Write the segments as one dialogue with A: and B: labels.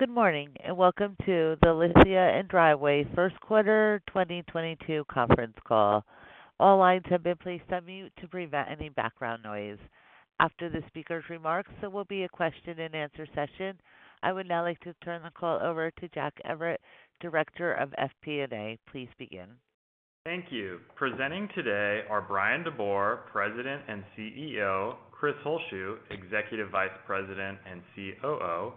A: Good morning, and welcome to the Lithia & Driveway first quarter 2022 conference call. All lines have been placed on mute to prevent any background noise. After the speaker's remarks, there will be a question-and-answer session. I would now like to turn the call over to Jack Evert, Director of FP&A. Please begin.
B: Thank you. Presenting today are Bryan DeBoer, President and CEO, Chris Holzshu, Executive Vice President and COO,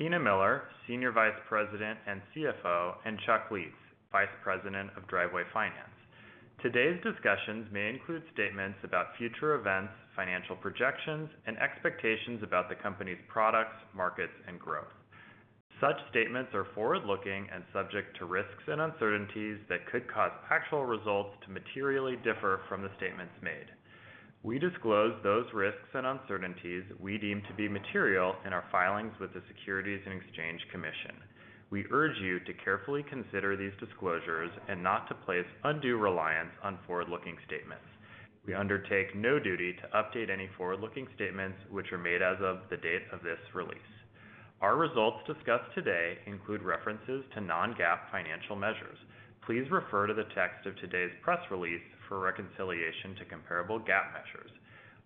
B: Tina Miller, Senior Vice President and CFO, and Chuck Lietz, Vice President of Driveway Finance. Today's discussions may include statements about future events, financial projections, and expectations about the company's products, markets, and growth. Such statements are forward-looking and subject to risks and uncertainties that could cause actual results to materially differ from the statements made. We disclose those risks and uncertainties we deem to be material in our filings with the Securities and Exchange Commission. We urge you to carefully consider these disclosures and not to place undue reliance on forward-looking statements. We undertake no duty to update any forward-looking statements, which are made as of the date of this release. Our results discussed today include references to non-GAAP financial measures. Please refer to the text of today's press release for a reconciliation to comparable GAAP measures.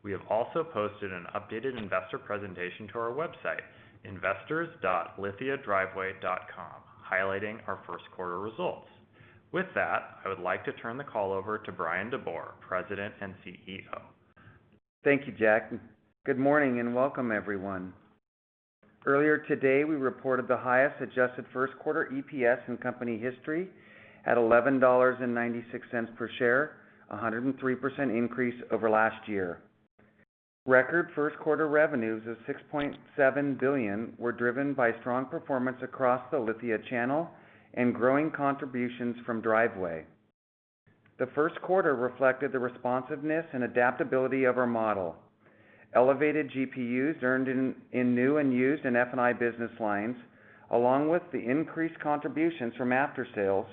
B: We have also posted an updated investor presentation to our website, investors.lithiadriveway.com, highlighting our first quarter results. With that, I would like to turn the call over to Bryan DeBoer, President and CEO.
C: Thank you, Jack. Good morning and welcome everyone. Earlier today, we reported the highest adjusted first quarter EPS in company history at $11.96 per share, 103% increase over last year. Record first quarter revenues of $6.7 billion were driven by strong performance across the Lithia channel and growing contributions from Driveway. The first quarter reflected the responsiveness and adaptability of our model. Elevated GPUs earned in new and used in F&I business lines, along with the increased contributions from after sales,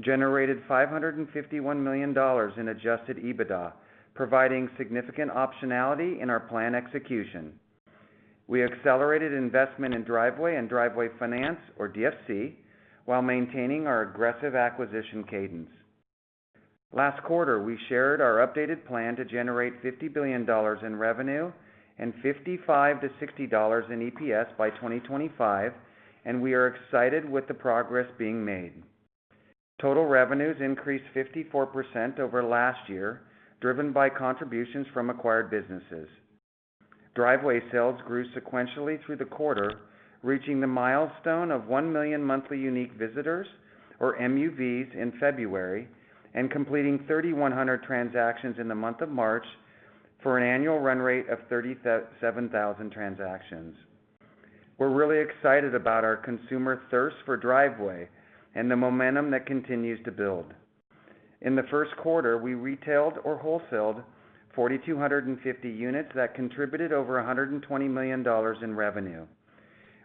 C: generated $551 million in adjusted EBITDA, providing significant optionality in our plan execution. We accelerated investment in Driveway and Driveway Finance, or DFC, while maintaining our aggressive acquisition cadence. Last quarter, we shared our updated plan to generate $50 billion in revenue and $55-$60 in EPS by 2025, and we are excited with the progress being made. Total revenues increased 54% over last year, driven by contributions from acquired businesses. Driveway sales grew sequentially through the quarter, reaching the milestone of 1 million monthly unique visitors, or MUVs, in February and completing 3,100 transactions in the month of March for an annual run rate of 37,000 transactions. We're really excited about our consumer thirst for Driveway and the momentum that continues to build. In the first quarter, we retailed or wholesaled 4,250 units that contributed over $120 million in revenue.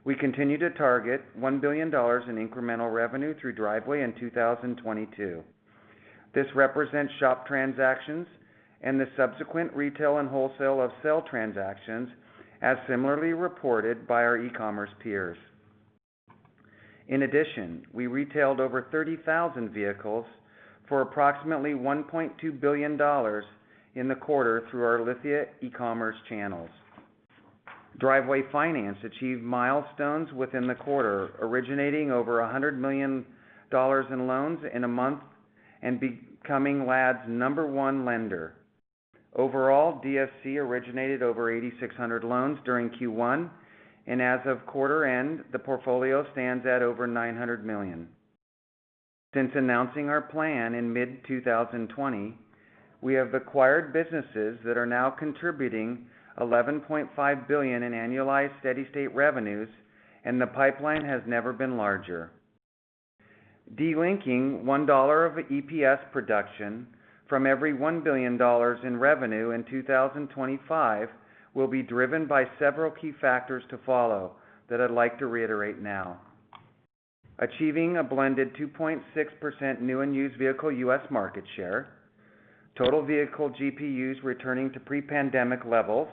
C: We continue to target $1 billion in incremental revenue through Driveway in 2022. This represents shop transactions and the subsequent retail and wholesale of sell transactions, as similarly reported by our e-commerce peers. In addition, we retailed over 30,000 vehicles for approximately $1.2 billion in the quarter through our Lithia e-commerce channels. Driveway Finance achieved milestones within the quarter, originating over $100 million in loans in a month and becoming LAD's number one lender. Overall, DFC originated over 8,600 loans during Q1, and as of quarter end, the portfolio stands at over $900 million. Since announcing our plan in mid 2020, we have acquired businesses that are now contributing $11.5 billion in annualized steady-state revenues, and the pipeline has never been larger. De-linking $1 of EPS production from every $1 billion in revenue in 2025 will be driven by several key factors to follow that I'd like to reiterate now. Achieving a blended 2.6% new and used vehicle U.S. market share, total vehicle GPUs returning to pre-pandemic levels,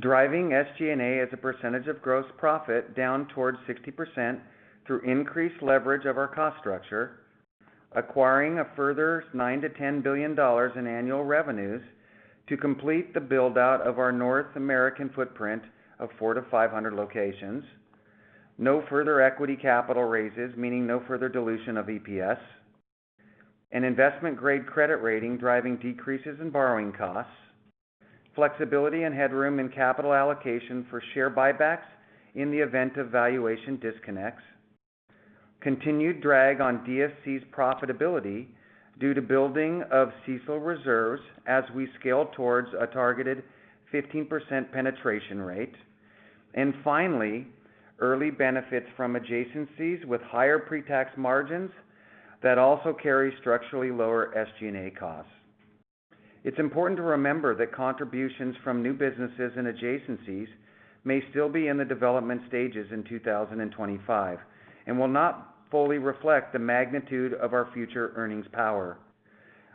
C: driving SG&A as a percentage of gross profit down towards 60% through increased leverage of our cost structure, acquiring a further $9 billion-$10 billion in annual revenues to complete the build-out of our North American footprint of 400-500 locations. No further equity capital raises, meaning no further dilution of EPS. An investment-grade credit rating driving decreases in borrowing costs. Flexibility and headroom in capital allocation for share buybacks in the event of valuation disconnects. Continued drag on DFC's profitability due to building of CECL reserves as we scale towards a targeted 15% penetration rate. Finally, early benefits from adjacencies with higher pre-tax margins that also carry structurally lower SG&A costs. It's important to remember that contributions from new businesses and adjacencies may still be in the development stages in 2025 and will not fully reflect the magnitude of our future earnings power.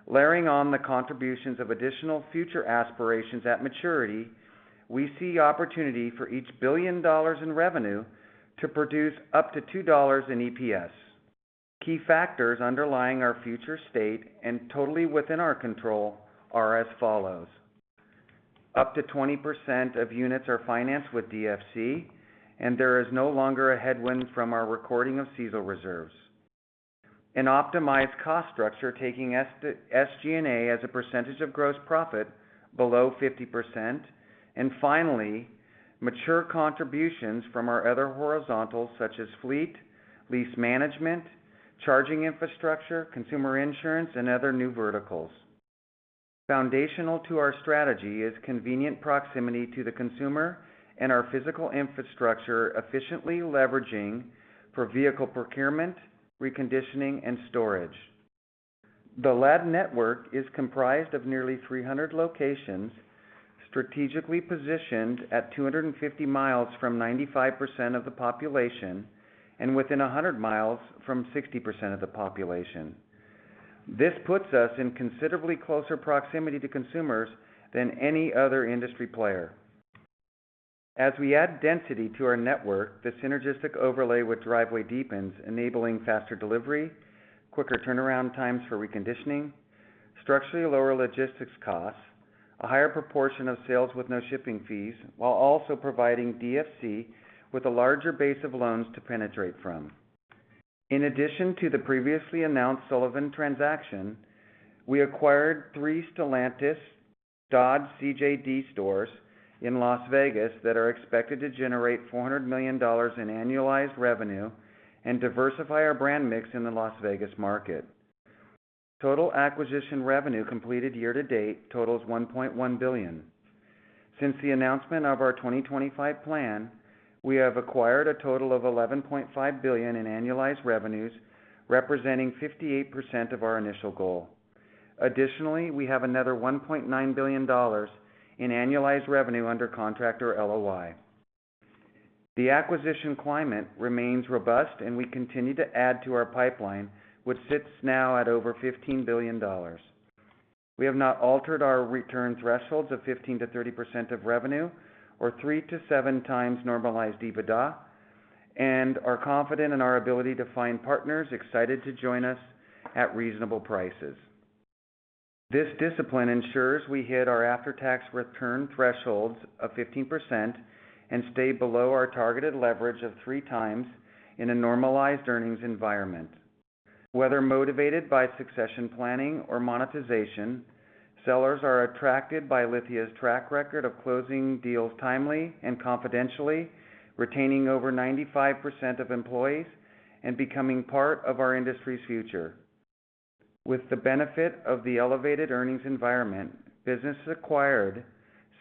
C: Layering on the contributions of additional future aspirations at maturity, we see opportunity for each $1 billion in revenue to produce up to $2 in EPS. Key factors underlying our future state and totally within our control are as follows. Up to 20% of units are financed with DFC, and there is no longer a headwind from our recording of CECL reserves. An optimized cost structure taking SG&A as a percentage of gross profit below 50%. Finally, mature contributions from our other horizontals such as fleet, lease management, charging infrastructure, consumer insurance, and other new verticals. Foundational to our strategy is convenient proximity to the consumer and our physical infrastructure efficiently leveraging for vehicle procurement, reconditioning, and storage. The LAD network is comprised of nearly 300 locations strategically positioned at 250 miles from 95% of the population and within 100 miles from 60% of the population. This puts us in considerably closer proximity to consumers than any other industry player. As we add density to our network, the synergistic overlay with Driveway deepens, enabling faster delivery, quicker turnaround times for reconditioning, structurally lower logistics costs, a higher proportion of sales with no shipping fees, while also providing DFC with a larger base of loans to penetrate from. In addition to the previously announced Sullivan transaction, we acquired Three Stellantis, Dodge, CJD stores in Las Vegas that are expected to generate $400 million in annualized revenue and diversify our brand mix in the Las Vegas market. Total acquisition revenue completed year to date totals $1.1 billion. Since the announcement of our 2025 plan, we have acquired a total of $11.5 billion in annualized revenues, representing 58% of our initial goal. Additionally, we have another $1.9 billion in annualized revenue under contract or LOI. The acquisition climate remains robust and we continue to add to our pipeline, which sits now at over $15 billion. We have not altered our return thresholds of 15%-30% of revenue or 3x-7x normalized EBITDA and are confident in our ability to find partners excited to join us at reasonable prices. This discipline ensures we hit our after-tax return thresholds of 15% and stay below our targeted leverage of 3x in a normalized earnings environment. Whether motivated by succession planning or monetization, sellers are attracted by Lithia's track record of closing deals timely and confidentially, retaining over 95% of employees and becoming part of our industry's future. With the benefit of the elevated earnings environment, businesses acquired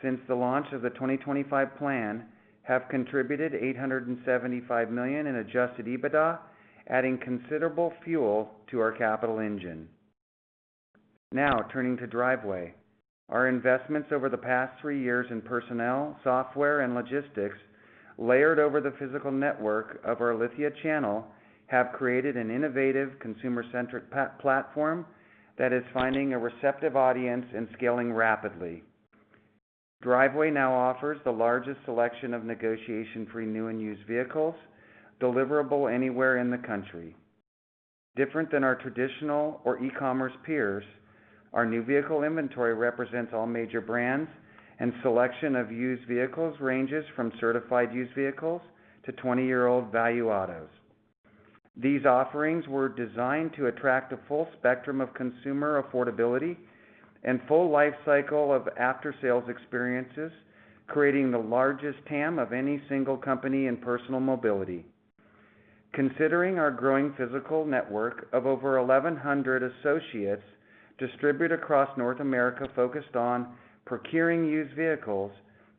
C: since the launch of the 2025 plan have contributed $875 million in adjusted EBITDA, adding considerable fuel to our capital engine. Now turning to Driveway. Our investments over the past three years in personnel, software, and logistics layered over the physical network of our Lithia channel have created an innovative consumer-centric platform that is finding a receptive audience and scaling rapidly. Driveway now offers the largest selection of negotiation-free new and used vehicles deliverable anywhere in the country. Different than our traditional or e-commerce peers, our new vehicle inventory represents all major brands and selection of used vehicles ranges from certified used vehicles to 20-year-old value autos. These offerings were designed to attract a full spectrum of consumer affordability and full lifecycle of after-sales experiences, creating the largest TAM of any single company in personal mobility. Considering our growing physical network of over 1,100 associates distributed across North America focused on procuring used vehicles,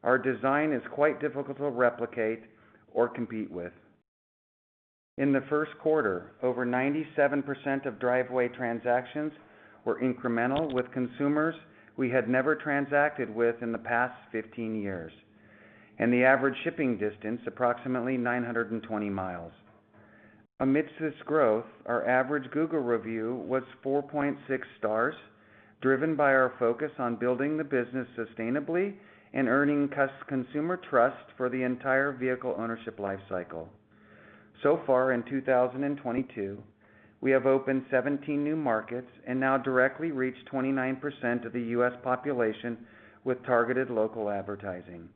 C: our design is quite difficult to replicate or compete with. In the first quarter, over 97% of Driveway transactions were incremental with consumers we had never transacted with in the past 15 years, and the average shipping distance approximately 920 miles. Amidst this growth, our average Google review was 4.6 stars, driven by our focus on building the business sustainably and earning consumer trust for the entire vehicle ownership lifecycle. So far in 2022, we have opened 17 new markets and now directly reach 29% of the U.S. population with targeted local advertising.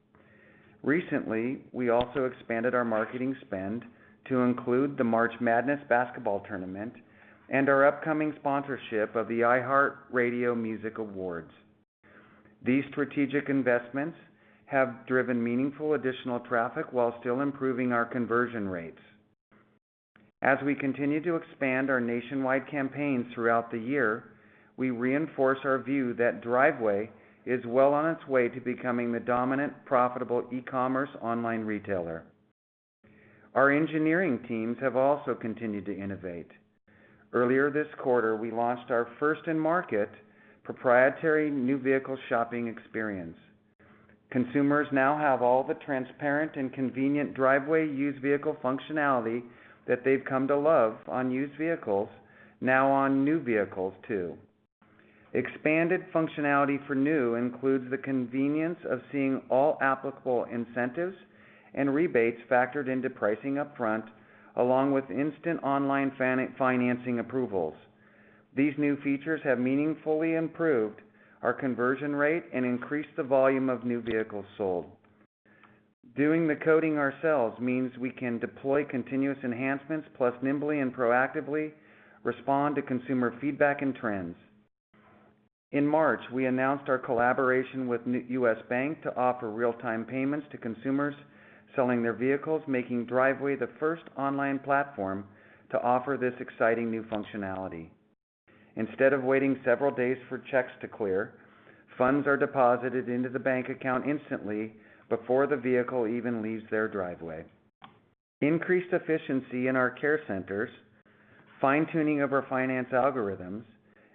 C: Recently, we also expanded our marketing spend to include the March Madness Basketball Tournament and our upcoming sponsorship of the iHeartRadio Music Awards. These strategic investments have driven meaningful additional traffic while still improving our conversion rates. As we continue to expand our nationwide campaigns throughout the year, we reinforce our view that Driveway is well on its way to becoming the dominant profitable e-commerce online retailer. Our engineering teams have also continued to innovate. Earlier this quarter, we launched our first in-market proprietary new vehicle shopping experience. Consumers now have all the transparent and convenient Driveway used vehicle functionality that they've come to love on used vehicles now on new vehicles too. Expanded functionality for new includes the convenience of seeing all applicable incentives and rebates factored into pricing up front, along with instant online F&I-financing approvals. These new features have meaningfully improved our conversion rate and increased the volume of new vehicles sold. Doing the coding ourselves means we can deploy continuous enhancements plus nimbly and proactively respond to consumer feedback and trends. In March, we announced our collaboration with US Bank to offer real-time payments to consumers selling their vehicles, making Driveway the first online platform to offer this exciting new functionality. Instead of waiting several days for checks to clear, funds are deposited into the bank account instantly before the vehicle even leaves their driveway. Increased efficiency in our care centers, fine-tuning of our finance algorithms,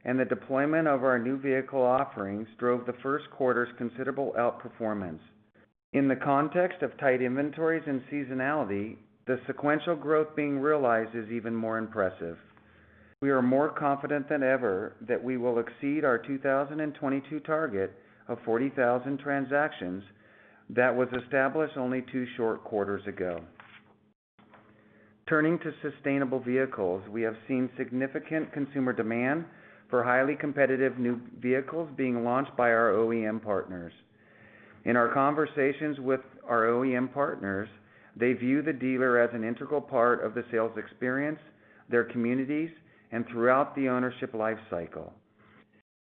C: and the deployment of our new vehicle offerings drove the first quarter's considerable outperformance. In the context of tight inventories and seasonality, the sequential growth being realized is even more impressive. We are more confident than ever that we will exceed our 2022 target of 40,000 transactions that was established only two short quarters ago. Turning to sustainable vehicles, we have seen significant consumer demand for highly competitive new vehicles being launched by our OEM partners. In our conversations with our OEM partners, they view the dealer as an integral part of the sales experience, their communities, and throughout the ownership life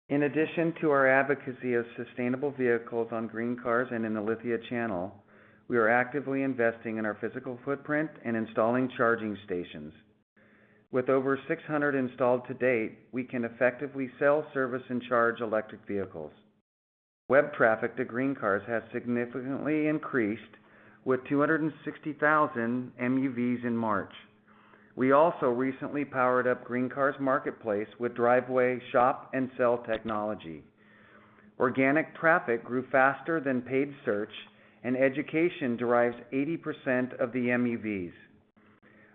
C: cycle. In addition to our advocacy of sustainable vehicles on GreenCars and in the Lithia channel, we are actively investing in our physical footprint and installing charging stations. With over 600 installed to date, we can effectively sell, service, and charge electric vehicles. Web traffic to GreenCars has significantly increased with 260,000 MUVs in March. We also recently powered up GreenCars Marketplace with Driveway shop and sell technology. Organic traffic grew faster than paid search, and education derives 80% of the MUVs.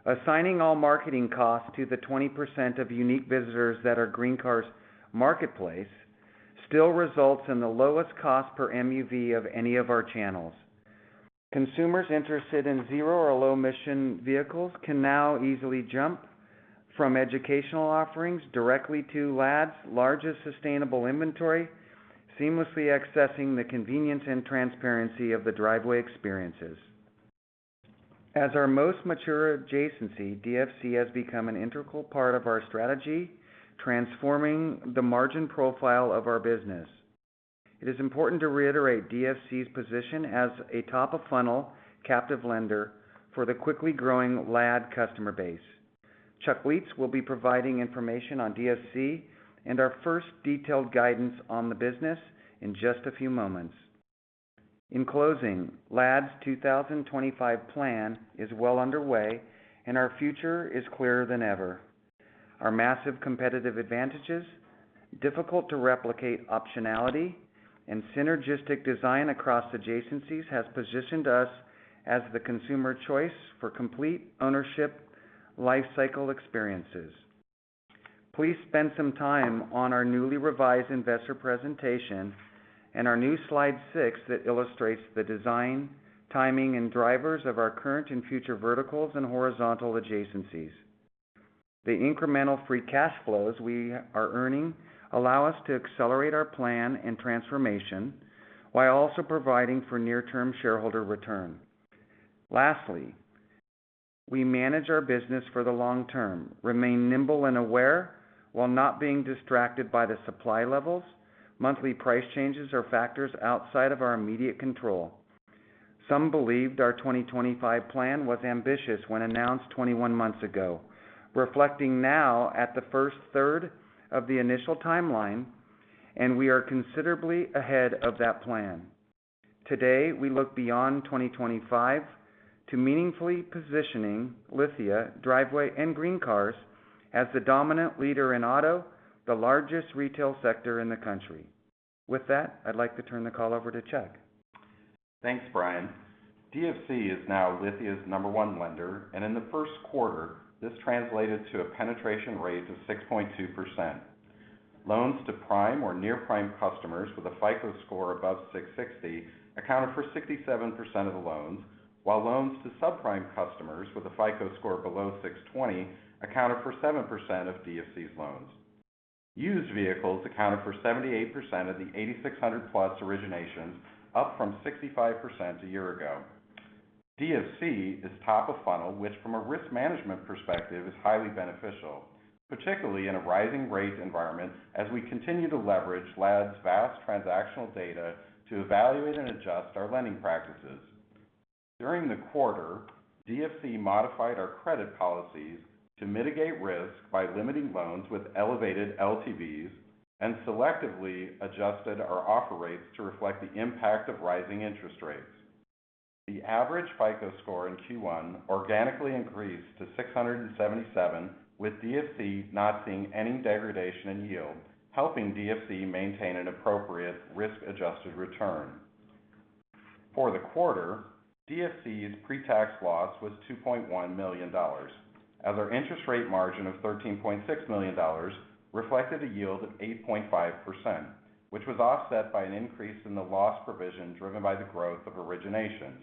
C: Assigning all marketing costs to the 20% of unique visitors that are GreenCars Marketplace still results in the lowest cost per MUV of any of our channels. Consumers interested in zero or low-emission vehicles can now easily jump from educational offerings directly to LAD's largest sustainable inventory, seamlessly accessing the convenience and transparency of the Driveway experiences. As our most mature adjacency, DFC has become an integral part of our strategy, transforming the margin profile of our business. It is important to reiterate DFC's position as a top-of-funnel captive lender for the quickly growing LAD customer base. Chuck Lietz will be providing information on DFC and our first detailed guidance on the business in just a few moments. In closing, LAD's 2025 plan is well underway and our future is clearer than ever. Our massive competitive advantages, difficult-to-replicate optionality, and synergistic design across adjacencies has positioned us as the consumer choice for complete ownership life cycle experiences. Please spend some time on our newly revised investor presentation and our new slide 6 that illustrates the design, timing, and drivers of our current and future verticals and horizontal adjacencies. The incremental free cash flows we are earning allow us to accelerate our plan and transformation while also providing for near-term shareholder return. Lastly, we manage our business for the long term, remain nimble and aware while not being distracted by the supply levels, monthly price changes, or factors outside of our immediate control. Some believed our 2025 plan was ambitious when announced 21 months ago. Reflecting now at the first third of the initial timeline, we are considerably ahead of that plan. Today, we look beyond 2025 to meaningfully positioning Lithia, Driveway, and GreenCars as the dominant leader in auto, the largest retail sector in the country. With that, I'd like to turn the call over to Chuck.
D: Thanks, Bryan. DFC is now Lithia's number one lender, and in the first quarter, this translated to a penetration rate of 6.2%. Loans to prime or near-prime customers with a FICO score above 660 accounted for 67% of the loans, while loans to subprime customers with a FICO score below 620 accounted for 7% of DFC's loans. Used vehicles accounted for 78% of the 8,600+ originations, up from 65% a year ago. DFC is top of funnel, which from a risk management perspective is highly beneficial, particularly in a rising rate environment as we continue to leverage LAD's vast transactional data to evaluate and adjust our lending practices. During the quarter, DFC modified our credit policies to mitigate risk by limiting loans with elevated LTVs and selectively adjusted our offer rates to reflect the impact of rising interest rates. The average FICO score in Q1 organically increased to 677, with DFC not seeing any degradation in yield, helping DFC maintain an appropriate risk-adjusted return. For the quarter, DFC's pretax loss was $2.1 million as our interest rate margin of $13.6 million reflected a yield of 8.5%, which was offset by an increase in the loss provision driven by the growth of originations.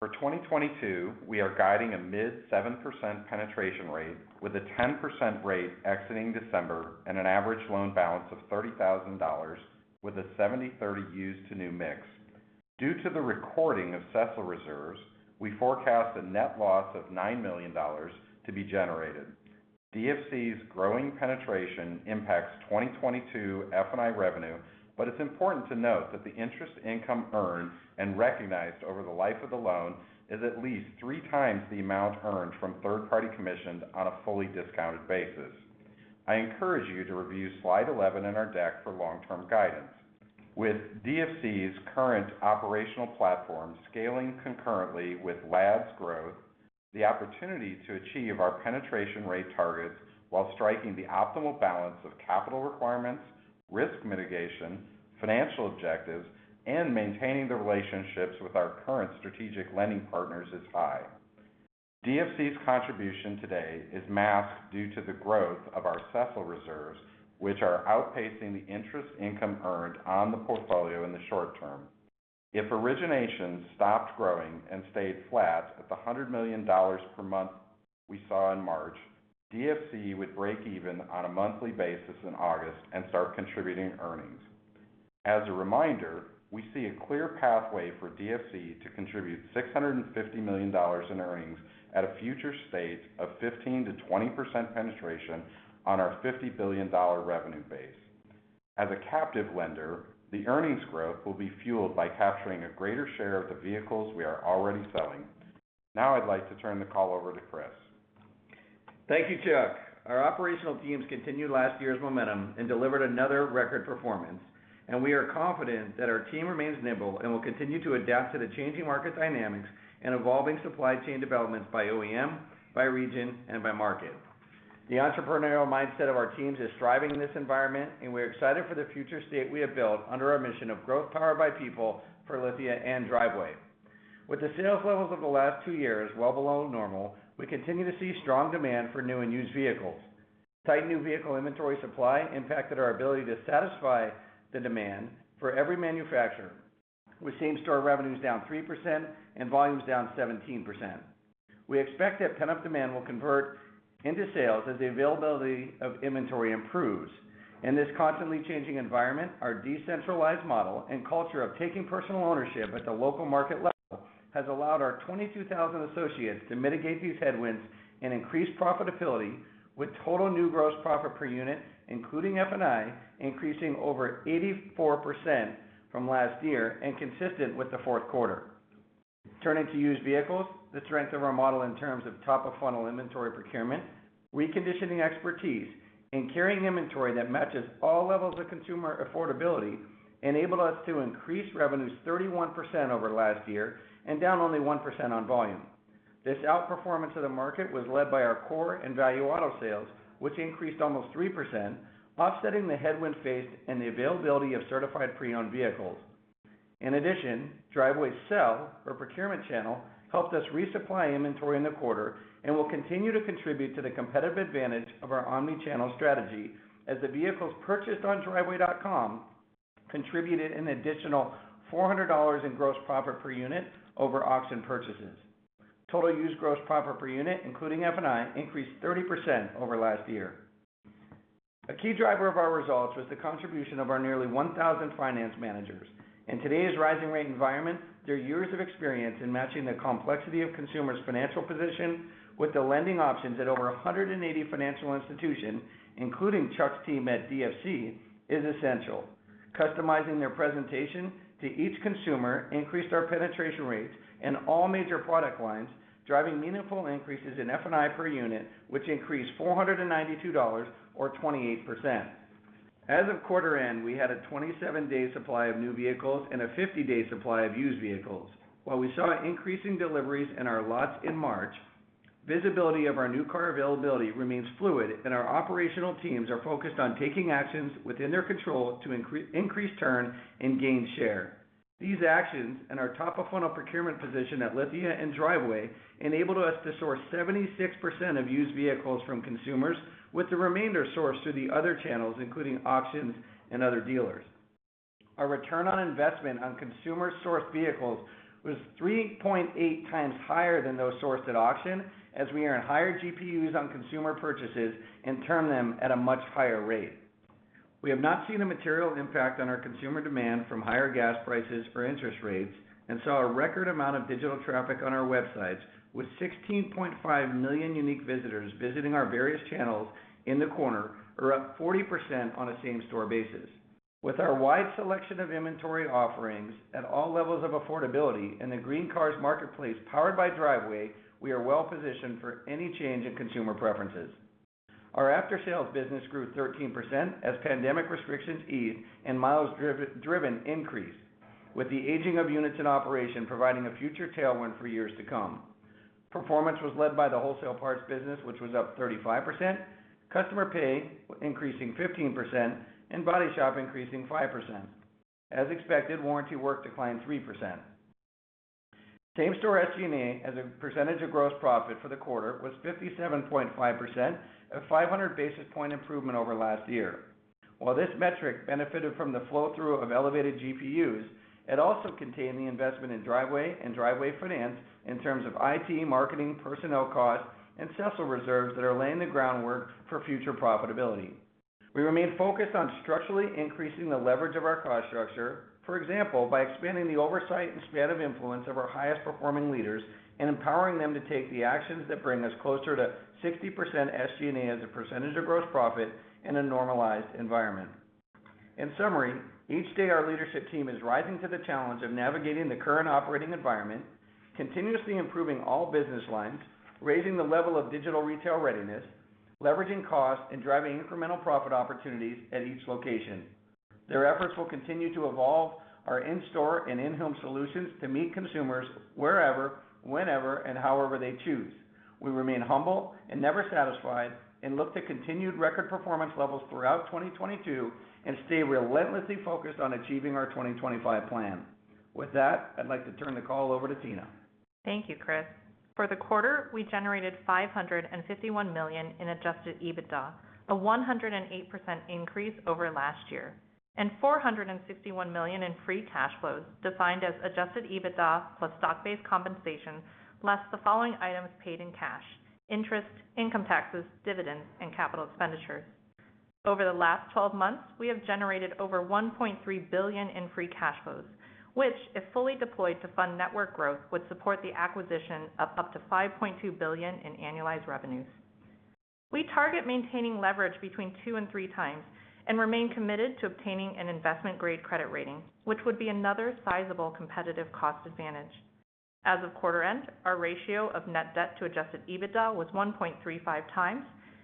D: For 2022, we are guiding a mid-7% penetration rate with a 10% rate exiting December and an average loan balance of $30,000 with a 70/30 used to new mix. Due to the recording of CECL reserves, we forecast a net loss of $9 million to be generated. DFC's growing penetration impacts 2022 F&I revenue, but it's important to note that the interest income earned and recognized over the life of the loan is at least three times the amount earned from third-party commissions on a fully discounted basis. I encourage you to review slide 11 in our deck for long-term guidance. With DFC's current operational platform scaling concurrently with LAD's growth, the opportunity to achieve our penetration rate targets while striking the optimal balance of capital requirements, risk mitigation, financial objectives, and maintaining the relationships with our current strategic lending partners is high. DFC's contribution today is masked due to the growth of our CECL reserves, which are outpacing the interest income earned on the portfolio in the short term. If originations stopped growing and stayed flat at the $100 million per month we saw in March, DFC would break even on a monthly basis in August and start contributing earnings. As a reminder, we see a clear pathway for DFC to contribute $650 million in earnings at a future state of 15%-20% penetration on our $50 billion revenue base. As a captive lender, the earnings growth will be fueled by capturing a greater share of the vehicles we are already selling. Now, I'd like to turn the call over to Chris.
E: Thank you, Chuck. Our operational teams continued last year's momentum and delivered another record performance, and we are confident that our team remains nimble and will continue to adapt to the changing market dynamics and evolving supply chain developments by OEM, by region and by market. The entrepreneurial mindset of our teams is thriving in this environment, and we're excited for the future state we have built under our mission of growth powered by people for Lithia and Driveway. With the sales levels of the last two years well below normal, we continue to see strong demand for new and used vehicles. Tight new vehicle inventory supply impacted our ability to satisfy the demand for every manufacturer, with same-store revenues down 3% and volumes down 17%. We expect that pent-up demand will convert into sales as the availability of inventory improves. In this constantly changing environment, our decentralized model and culture of taking personal ownership at the local market level has allowed our 22,000 associates to mitigate these headwinds and increase profitability with total new gross profit per unit, including F&I, increasing over 84% from last year and consistent with the fourth quarter. Turning to used vehicles, the strength of our model in terms of top-of-funnel inventory procurement, reconditioning expertise, and carrying inventory that matches all levels of consumer affordability enabled us to increase revenues 31% over last year and down only 1% on volume. This outperformance of the market was led by our core and value auto sales, which increased almost 3%, offsetting the headwind faced and the availability of certified pre-owned vehicles. In addition, Driveway Sell, our procurement channel, helped us resupply inventory in the quarter and will continue to contribute to the competitive advantage of our omni-channel strategy as the vehicles purchased on driveway.com contributed an additional $400 in gross profit per unit over auction purchases. Total used gross profit per unit, including F&I, increased 30% over last year. A key driver of our results was the contribution of our nearly 1,000 finance managers. In today's rising rate environment, their years of experience in matching the complexity of consumers' financial position with the lending options at over 180 financial institutions, including Chuck's team at DFC, is essential. Customizing their presentation to each consumer increased our penetration rates in all major product lines, driving meaningful increases in F&I per unit, which increased $492 or 28%. As of quarter end, we had a 27-day supply of new vehicles and a 50-day supply of used vehicles. While we saw increasing deliveries in our lots in March, visibility of our new car availability remains fluid and our operational teams are focused on taking actions within their control to increase turn and gain share. These actions and our top-of-funnel procurement position at Lithia and Driveway enabled us to source 76% of used vehicles from consumers with the remainder sourced through the other channels, including auctions and other dealers. Our return on investment on consumer-sourced vehicles was 3.8 times higher than those sourced at auction, as we earn higher GPUs on consumer purchases and term them at a much higher rate. We have not seen a material impact on our consumer demand from higher gas prices or interest rates and saw a record amount of digital traffic on our websites with 16.5 million unique visitors visiting our various channels in the quarter, are up 40% on a same-store basis. With our wide selection of inventory offerings at all levels of affordability and the GreenCars marketplace powered by Driveway, we are well positioned for any change in consumer preferences. Our after-sales business grew 13% as pandemic restrictions eased and miles driven increased, with the aging of units in operation providing a future tailwind for years to come. Performance was led by the wholesale parts business, which was up 35%, customer pay increasing 15%, and body shop increasing 5%. As expected, warranty work declined 3%. Same-store SG&A as a percentage of gross profit for the quarter was 57.5%, a 500 basis point improvement over last year. While this metric benefited from the flow-through of elevated GPUs, it also contained the investment in Driveway and Driveway Finance in terms of IT, marketing, personnel costs, and CECL reserves that are laying the groundwork for future profitability. We remain focused on structurally increasing the leverage of our cost structure, for example, by expanding the oversight and span of influence of our highest-performing leaders and empowering them to take the actions that bring us closer to 60% SG&A as a percentage of gross profit in a normalized environment. In summary, each day our leadership team is rising to the challenge of navigating the current operating environment, continuously improving all business lines, raising the level of digital retail readiness, leveraging costs, and driving incremental profit opportunities at each location. Their efforts will continue to evolve our in-store and in-home solutions to meet consumers wherever, whenever, and however they choose. We remain humble and never satisfied, and look to continued record performance levels throughout 2022, and stay relentlessly focused on achieving our 2025 plan. With that, I'd like to turn the call over to Tina.
F: Thank you, Chris. For the quarter, we generated $551 million in adjusted EBITDA, a 108% increase over last year, and $461 million in free cash flows, defined as adjusted EBITDA plus stock-based compensation, less the following items paid in cash: interest, income taxes, dividends, and capital expenditures. Over the last twelve months, we have generated over $1.3 billion in free cash flows, which, if fully deployed to fund network growth, would support the acquisition of up to $5.2 billion in annualized revenues. We target maintaining leverage between 2x and 3x and remain committed to obtaining an investment-grade credit rating, which would be another sizable competitive cost advantage. As of quarter end, our ratio of net debt to adjusted EBITDA was 1.35 times,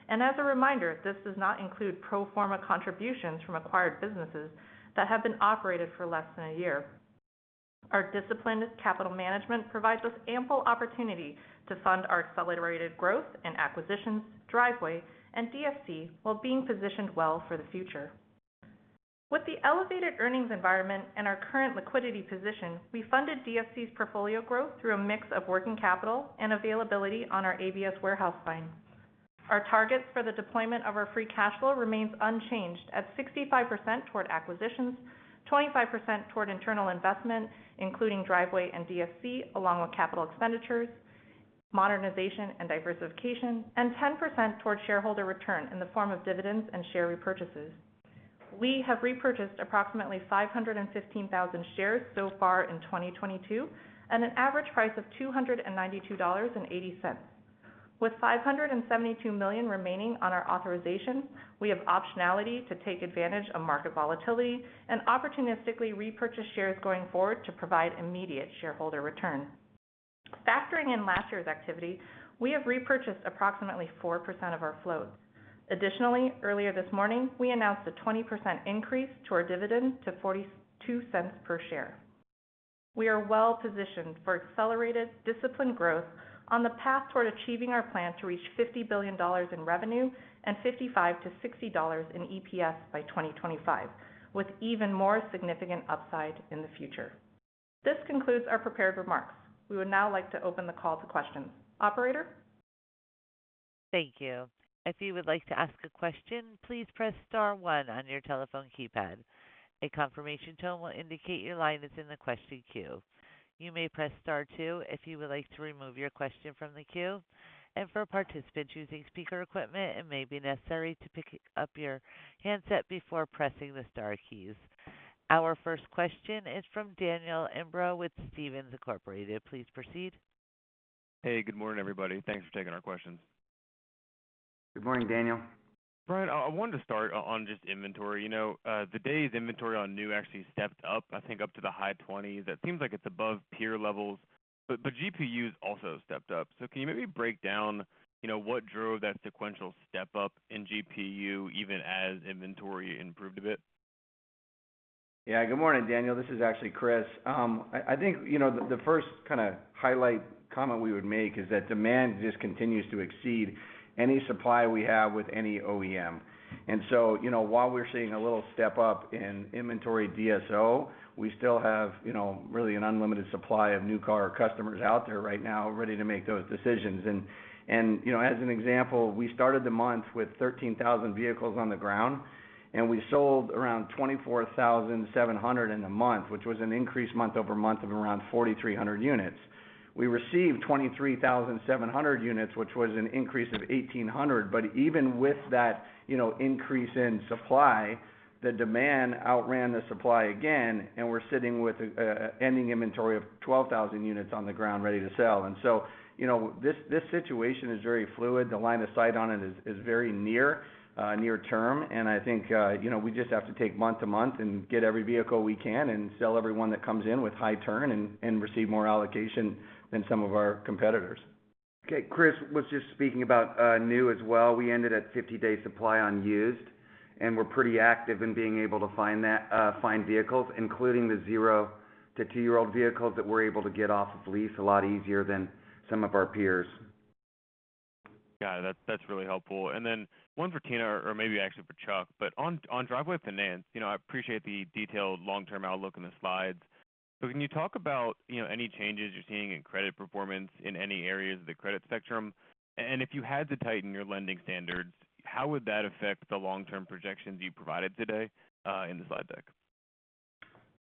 F: and as a reminder, this does not include pro forma contributions from acquired businesses that have been operated for less than a year. Our disciplined capital management provides us ample opportunity to fund our accelerated growth and acquisitions, Driveway and DFC, while being positioned well for the future. With the elevated earnings environment and our current liquidity position, we funded DFC's portfolio growth through a mix of working capital and availability on our ABS warehouse line. Our targets for the deployment of our free cash flow remains unchanged at 65% toward acquisitions, 25% toward internal investment, including Driveway and DFC, along with capital expenditures, modernization, and diversification, and 10% towards shareholder return in the form of dividends and share repurchases. We have repurchased approximately 515,000 shares so far in 2022 at an average price of $292.80. With 572 million remaining on our authorization, we have optionality to take advantage of market volatility and opportunistically repurchase shares going forward to provide immediate shareholder return. Factoring in last year's activity, we have repurchased approximately 4% of our float. Additionally, earlier this morning, we announced a 20% increase to our dividend to $0.42 per share. We are well positioned for accelerated, disciplined growth on the path toward achieving our plan to reach $50 billion in revenue and $55-$60 in EPS by 2025, with even more significant upside in the future. This concludes our prepared remarks. We would now like to open the call to questions. Operator?
A: Thank you. If you would like to ask a question, please press star one on your telephone keypad. A confirmation tone will indicate your line is in the question queue. You may press star two if you would like to remove your question from the queue. For participants using speaker equipment, it may be necessary to pick up your handset before pressing the star keys. Our first question is from Daniel Imbro with Stephens Inc. Please proceed.
G: Hey, good morning, everybody. Thanks for taking our questions.
C: Good morning, Daniel.
G: Bryan, I wanted to start on just inventory. You know, the days inventory on new actually stepped up, I think, up to the high 20s. That seems like it's above peer levels, but GPU's also stepped up. Can you maybe break down, you know, what drove that sequential step-up in GPU even as inventory improved a bit?
E: Yeah. Good morning, Daniel. This is actually Chris. I think you know the first kinda highlight comment we would make is that demand just continues to exceed any supply we have with any OEM. You know, while we're seeing a little step up in inventory DSO, we still have you know really an unlimited supply of new car customers out there right now ready to make those decisions. You know, as an example, we started the month with 13,000 vehicles on the ground, and we sold around 24,700 in the month, which was an increase month-over-month of around 4,300 units. We received 23,700 units, which was an increase of 1,800. Even with that, you know, increase in supply, the demand outran the supply again, and we're sitting with ending inventory of 12,000 units on the ground ready to sell. You know, this situation is very fluid. The line of sight on it is very near term. I think, you know, we just have to take month to month and get every vehicle we can and sell every one that comes in with high turn and receive more allocation than some of our competitors.
C: Chris was just speaking about new as well. We ended at 50-day supply on used, and we're pretty active in being able to find vehicles, including the 0- to 2-year-old vehicles that we're able to get off of lease a lot easier than some of our peers.
G: Got it. That's really helpful. One for Tina or maybe actually for Chuck, but on Driveway Finance, you know, I appreciate the detailed long-term outlook in the slides. Can you talk about, you know, any changes you're seeing in credit performance in any areas of the credit spectrum? If you had to tighten your lending standards, how would that affect the long-term projections you provided today in the slide deck?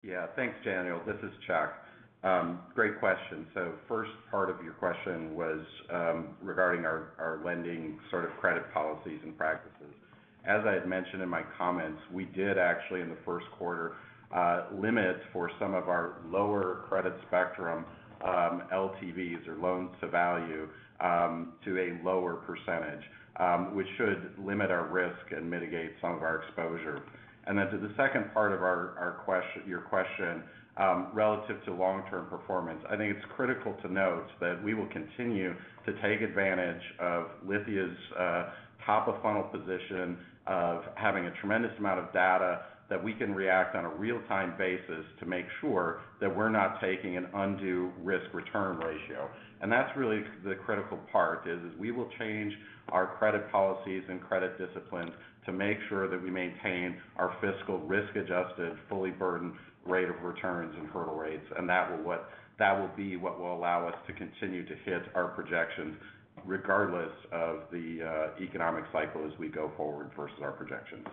D: Yeah. Thanks, Daniel. This is Chuck. Great question. First part of your question was regarding our lending sort of credit policies and practices. As I had mentioned in my comments, we did actually in the first quarter limit for some of our lower credit spectrum LTVs or loans to value to a lower percentage, which should limit our risk and mitigate some of our exposure. To the second part of your question, relative to long-term performance. I think it's critical to note that we will continue to take advantage of Lithia's top-of-funnel position of having a tremendous amount of data that we can react on a real-time basis to make sure that we're not taking an undue risk-return ratio. That's really the critical part, is we will change our credit policies and credit discipline to make sure that we maintain our fiscal risk-adjusted, fully burdened rate of returns and hurdle rates. That will be what will allow us to continue to hit our projections regardless of the economic cycle as we go forward versus our projections.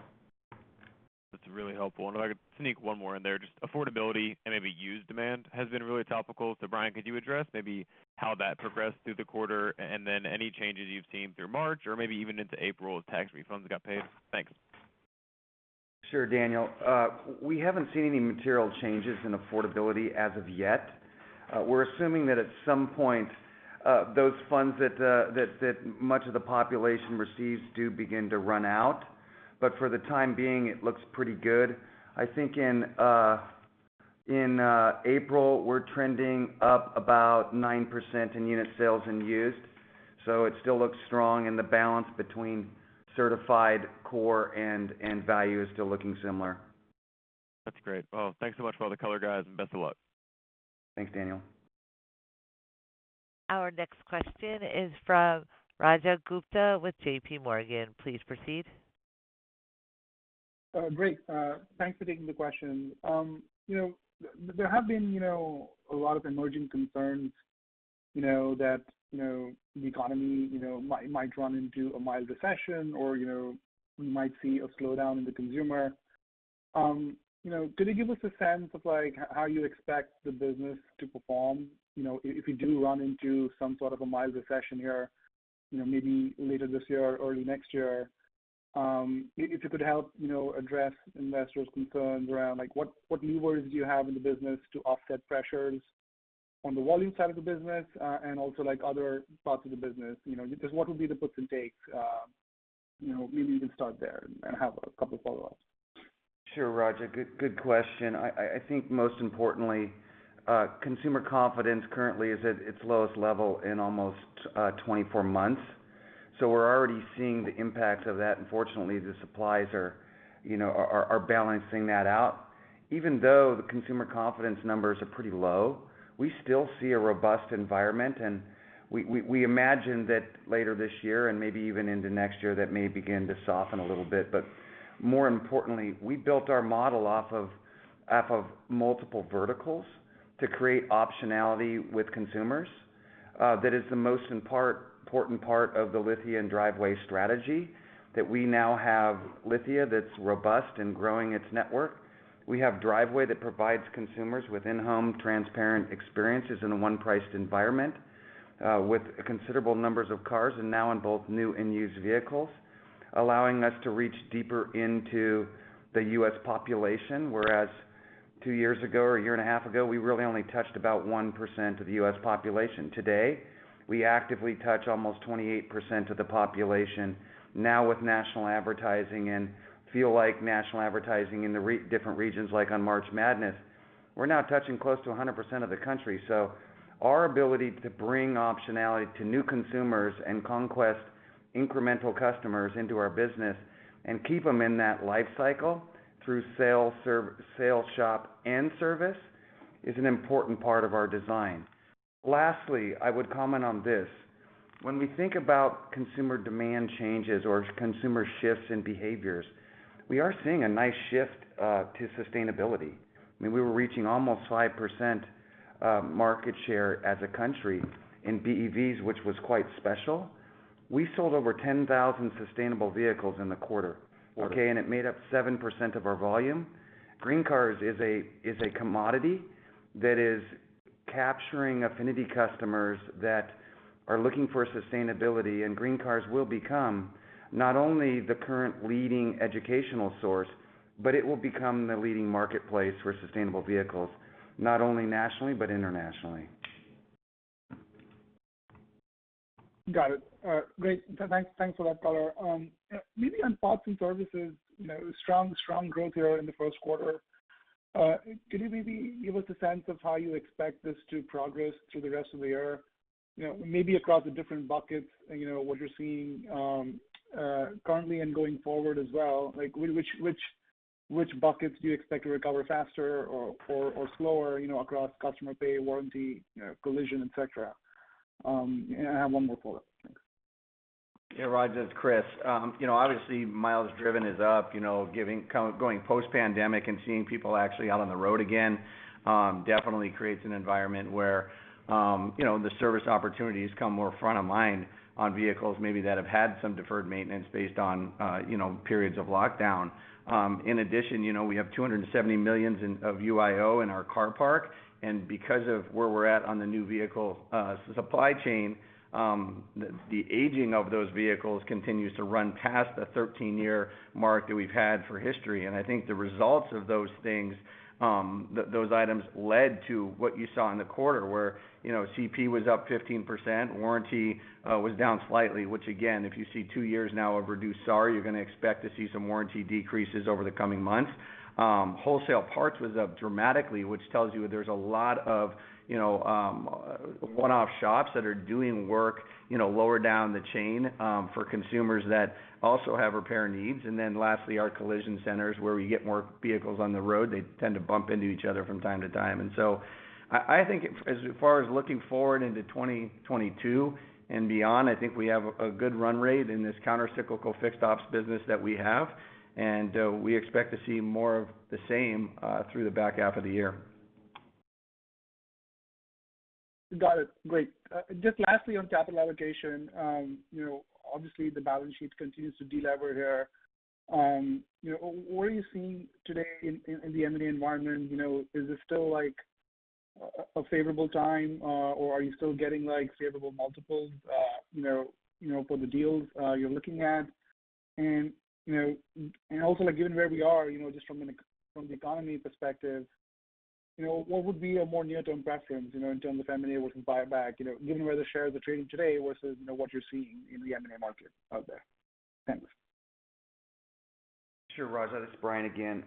G: That's really helpful. If I could sneak one more in there. Just affordability and maybe used demand has been really topical. Bryan, could you address maybe how that progressed through the quarter and then any changes you've seen through March or maybe even into April tax refunds got paid? Thanks.
C: Sure, Daniel. We haven't seen any material changes in affordability as of yet. We're assuming that at some point, those funds that much of the population receives do begin to run out. But for the time being, it looks pretty good. I think in April, we're trending up about 9% in unit sales in used. It still looks strong and the balance between certified core and value is still looking similar.
G: That's great. Well, thanks so much for all the color, guys, and best of luck.
C: Thanks, Daniel.
A: Our next question is from Rajat Gupta with J.P. Morgan. Please proceed.
H: Great. Thanks for taking the question. You know, there have been a lot of emerging concerns that the economy might run into a mild recession or we might see a slowdown in the consumer. You know, could you give us a sense of like how you expect the business to perform if you do run into some sort of a mild recession here, maybe later this year or early next year? If you could help address investors' concerns around like what levers do you have in the business to offset pressures on the volume side of the business, and also like other parts of the business. Just what will be the puts and takes? You know, maybe you can start there and have a couple follow-ups.
C: Sure, Raja. Good question. I think most importantly, consumer confidence currently is at its lowest level in almost 24 months. We're already seeing the impact of that. Fortunately, the supplies are balancing that out. Even though the consumer confidence numbers are pretty low, we still see a robust environment. We imagine that later this year and maybe even into next year, that may begin to soften a little bit. But more importantly, we built our model off of multiple verticals to create optionality with consumers. That is the most important part of the Lithia & Driveway strategy that we now have Lithia that's robust in growing its network. We have Driveway that provides consumers with in-home transparent experiences in a one-priced environment, with considerable numbers of cars and now in both new and used vehicles, allowing us to reach deeper into the U.S. population. Whereas two years ago or a year and a half ago, we really only touched about 1% of the U.S. population. Today, we actively touch almost 28% of the population. Now with national advertising, we feel like national advertising in the different regions like on March Madness, we're now touching close to 100% of the country. Our ability to bring optionality to new consumers and conquest incremental customers into our business and keep them in that life cycle through sale, shop, and service is an important part of our design. Lastly, I would comment on this. When we think about consumer demand changes or consumer shifts in behaviors, we are seeing a nice shift to sustainability. I mean, we were reaching almost 5% market share as a country in BEVs, which was quite special. We sold over 10,000 sustainable vehicles in the quarter. Okay, and it made up 7% of our volume. GreenCars is a commodity that is capturing affinity customers that are looking for sustainability, and GreenCars will become not only the current leading educational source, but it will become the leading marketplace for sustainable vehicles, not only nationally but internationally.
H: Got it. Great. Thanks for that color. Maybe on parts and services, you know, strong growth here in the first quarter. Can you maybe give us a sense of how you expect this to progress through the rest of the year? You know, maybe across the different buckets, you know, what you're seeing currently and going forward as well. Like which buckets do you expect to recover faster or slower, you know, across customer pay, warranty, you know, collision, et cetera. I have one more follow-up. Thanks.
E: Yeah, Raja, this is Chris. You know, obviously miles driven is up, you know, given kind of going post-pandemic and seeing people actually out on the road again, definitely creates an environment where, you know, the service opportunities come more front of mind on vehicles maybe that have had some deferred maintenance based on, you know, periods of lockdown. In addition, you know, we have 270 million of UIO in our car park, and because of where we're at on the new vehicle supply chain, the aging of those vehicles continues to run past the 13-year mark that we've had for history. I think the results of those things, those items led to what you saw in the quarter, where, you know, CP was up 15%, warranty was down slightly, which again, if you see two years now of reduced SAR, you're gonna expect to see some warranty decreases over the coming months. Wholesale parts was up dramatically, which tells you there's a lot of, you know, one-off shops that are doing work, you know, lower down the chain, for consumers that also have repair needs. Then lastly, our collision centers, where we get more vehicles on the road, they tend to bump into each other from time to time. I think as far as looking forward into 2022 and beyond, I think we have a good run rate in this countercyclical fixed ops business that we have. We expect to see more of the same through the back half of the year.
H: Got it. Great. Just lastly on capital allocation, you know, obviously the balance sheet continues to delever here. You know, what are you seeing today in the M&A environment? You know, is this still like a favorable time, or are you still getting like favorable multiples, you know, for the deals you're looking at? You know, also like given where we are, you know, just from the economy perspective, you know, what would be a more near-term preference, you know, in terms of M&A versus buyback? You know, given where the shares are trading today versus, you know, what you're seeing in the M&A market out there. Thanks.
C: Sure, Raja. This is Bryan again.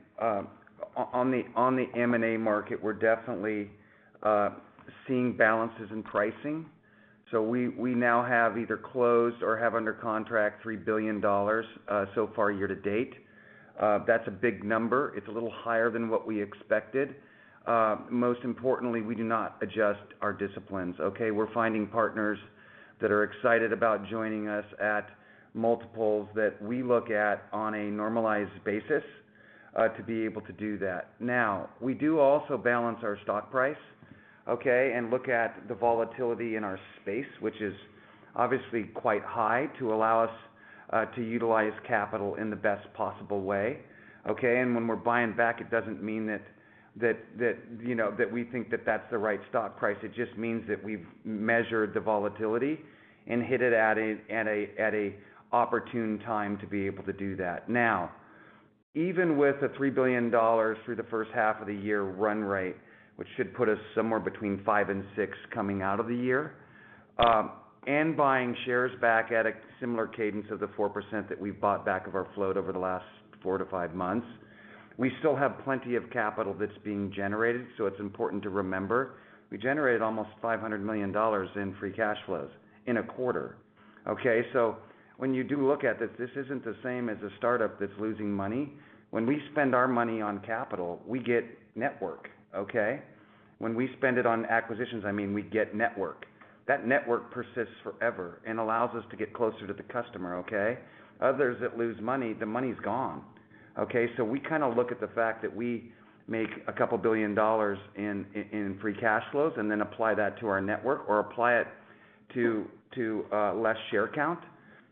C: On the M&A market, we're definitely seeing balances in pricing. We now have either closed or have under contract $3 billion so far year to date. That's a big number. It's a little higher than what we expected. Most importantly, we do not adjust our disciplines, okay? We're finding partners that are excited about joining us at multiples that we look at on a normalized basis to be able to do that. We do also balance our stock price, okay? Look at the volatility in our space, which is obviously quite high to allow us to utilize capital in the best possible way, okay? When we're buying back, it doesn't mean that you know that we think that that's the right stock price. It just means that we've measured the volatility and hit it at a opportune time to be able to do that. Now, even with the $3 billion through the first half of the year run rate, which should put us somewhere between $5 billion and $6 billion coming out of the year, and buying shares back at a similar cadence of the 4% that we've bought back of our float over the last 4 to 5 months, we still have plenty of capital that's being generated, so it's important to remember. We generated almost $500 million in free cash flows in a quarter, okay? So when you do look at this isn't the same as a startup that's losing money. When we spend our money on capital, we get network, okay? When we spend it on acquisitions, I mean, we get network. That network persists forever and allows us to get closer to the customer, okay? Others that lose money, the money's gone, okay? We kind of look at the fact that we make $2 billion in free cash flows and then apply that to our network or apply it to less share count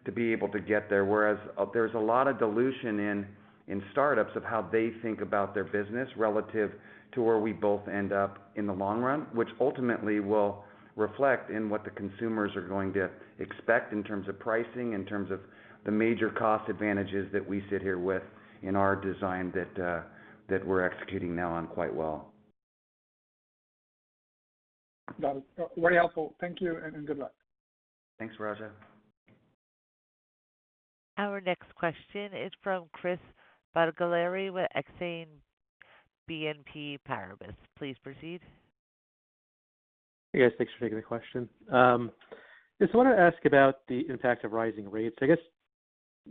C: to be able to get there. Whereas there's a lot of dilution in startups of how they think about their business relative to where we both end up in the long run, which ultimately will reflect in what the consumers are going to expect in terms of pricing, in terms of the major cost advantages that we sit here with in our design that we're executing now on quite well.
H: Got it. Very helpful. Thank you, and good luck.
C: Thanks, Rajat.
A: Our next question is from Chris Bottiglieri with Exane BNP Paribas. Please proceed.
I: Hey, guys. Thanks for taking the question. Just wanted to ask about the impact of rising rates. I guess,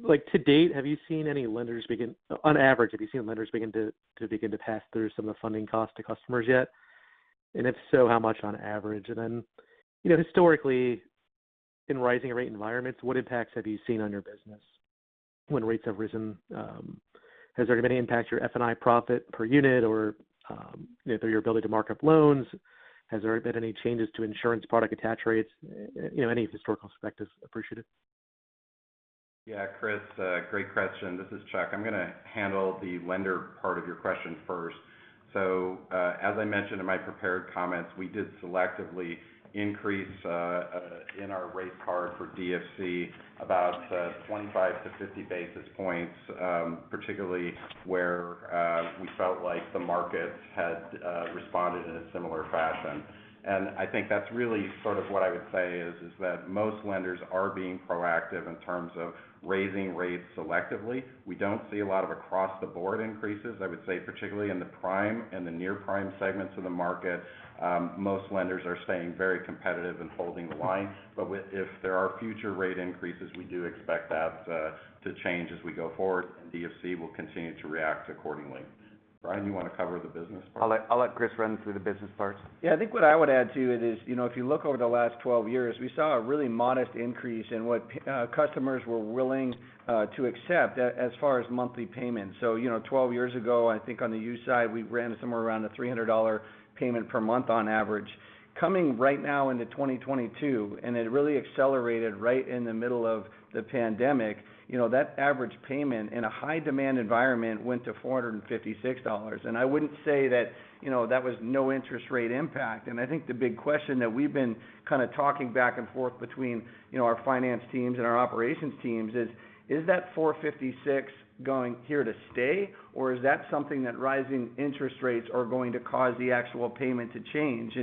I: like to date, on average, have you seen lenders begin to pass through some of the funding costs to customers yet? If so, how much on average? Historically in rising rate environments, what impacts have you seen on your business when rates have risen? Has there been any impact to your F&I profit per unit or through your ability to mark up loans? Has there been any changes to insurance product attach rates? Any historical perspectives appreciated.
D: Yeah, Chris, great question. This is Chuck. I'm gonna handle the lender part of your question first. As I mentioned in my prepared comments, we did selectively increase, In our rate card for DFC about 25-50 basis points, particularly where we felt like the market had responded in a similar fashion. I think that's really sort of what I would say is that most lenders are being proactive in terms of raising rates selectively. We don't see a lot of across-the-board increases. I would say particularly in the prime and the near-prime segments of the market, most lenders are staying very competitive and holding the line. If there are future rate increases, we do expect that to change as we go forward, and DFC will continue to react accordingly. Bryan, you wanna cover the business part?
C: I'll let Chris run through the business part.
E: Yeah. I think what I would add to it is, you know, if you look over the last 12 years, we saw a really modest increase in what customers were willing to accept as far as monthly payments. You know, 12 years ago, I think on the used side, we ran somewhere around a $300 payment per month on average. Coming right now into 2022, it really accelerated right in the middle of the pandemic, you know, that average payment in a high-demand environment went to $456. I wouldn't say that, you know, that was no interest rate impact. I think the big question that we've been kinda talking back and forth between, you know, our finance teams and our operations teams is that $456 going here to stay, or is that something that rising interest rates are going to cause the actual payment to change?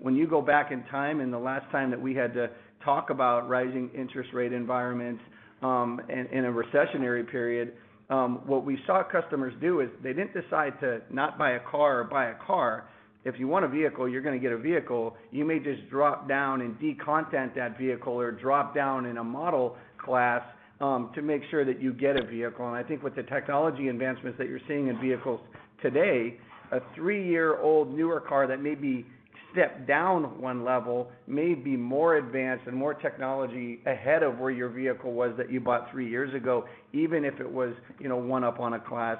E: When you go back in time and the last time that we had to talk about rising interest rate environments, in a recessionary period, what we saw customers do is they didn't decide to not buy a car or buy a car. If you want a vehicle, you're gonna get a vehicle. You may just drop down and de-content that vehicle or drop down in a model class, to make sure that you get a vehicle. I think with the technology advancements that you're seeing in vehicles today, a three-year-old newer car that may be stepped down one level may be more advanced and more technology ahead of where your vehicle was that you bought three years ago, even if it was, you know, one up on a class.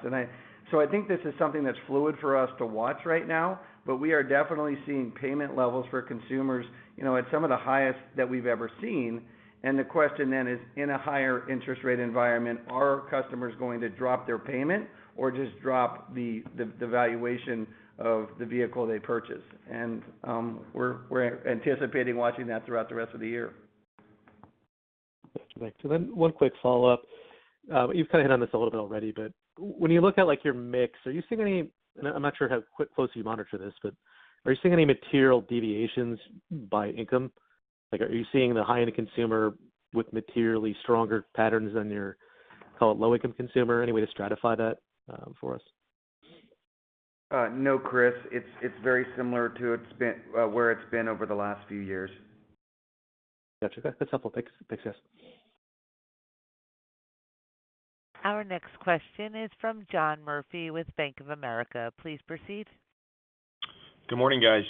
E: So I think this is something that's fluid for us to watch right now, but we are definitely seeing payment levels for consumers, you know, at some of the highest that we've ever seen. The question then is, in a higher interest rate environment, are customers going to drop their payment or just drop the valuation of the vehicle they purchase? We're anticipating watching that throughout the rest of the year.
I: Thanks. One quick follow-up. You've kinda hit on this a little bit already, but when you look at, like, your mix, are you seeing any? And I'm not sure how close you monitor this, but are you seeing any material deviations by income? Like, are you seeing the high-end consumer with materially stronger patterns than your call it low-income consumer? Any way to stratify that, for us?
E: No, Chris. It's very similar to how it's been over the last few years.
I: Gotcha. That's helpful. Thanks. Thanks, guys.
A: Our next question is from John Murphy with Bank of America. Please proceed.
J: Good morning, guys.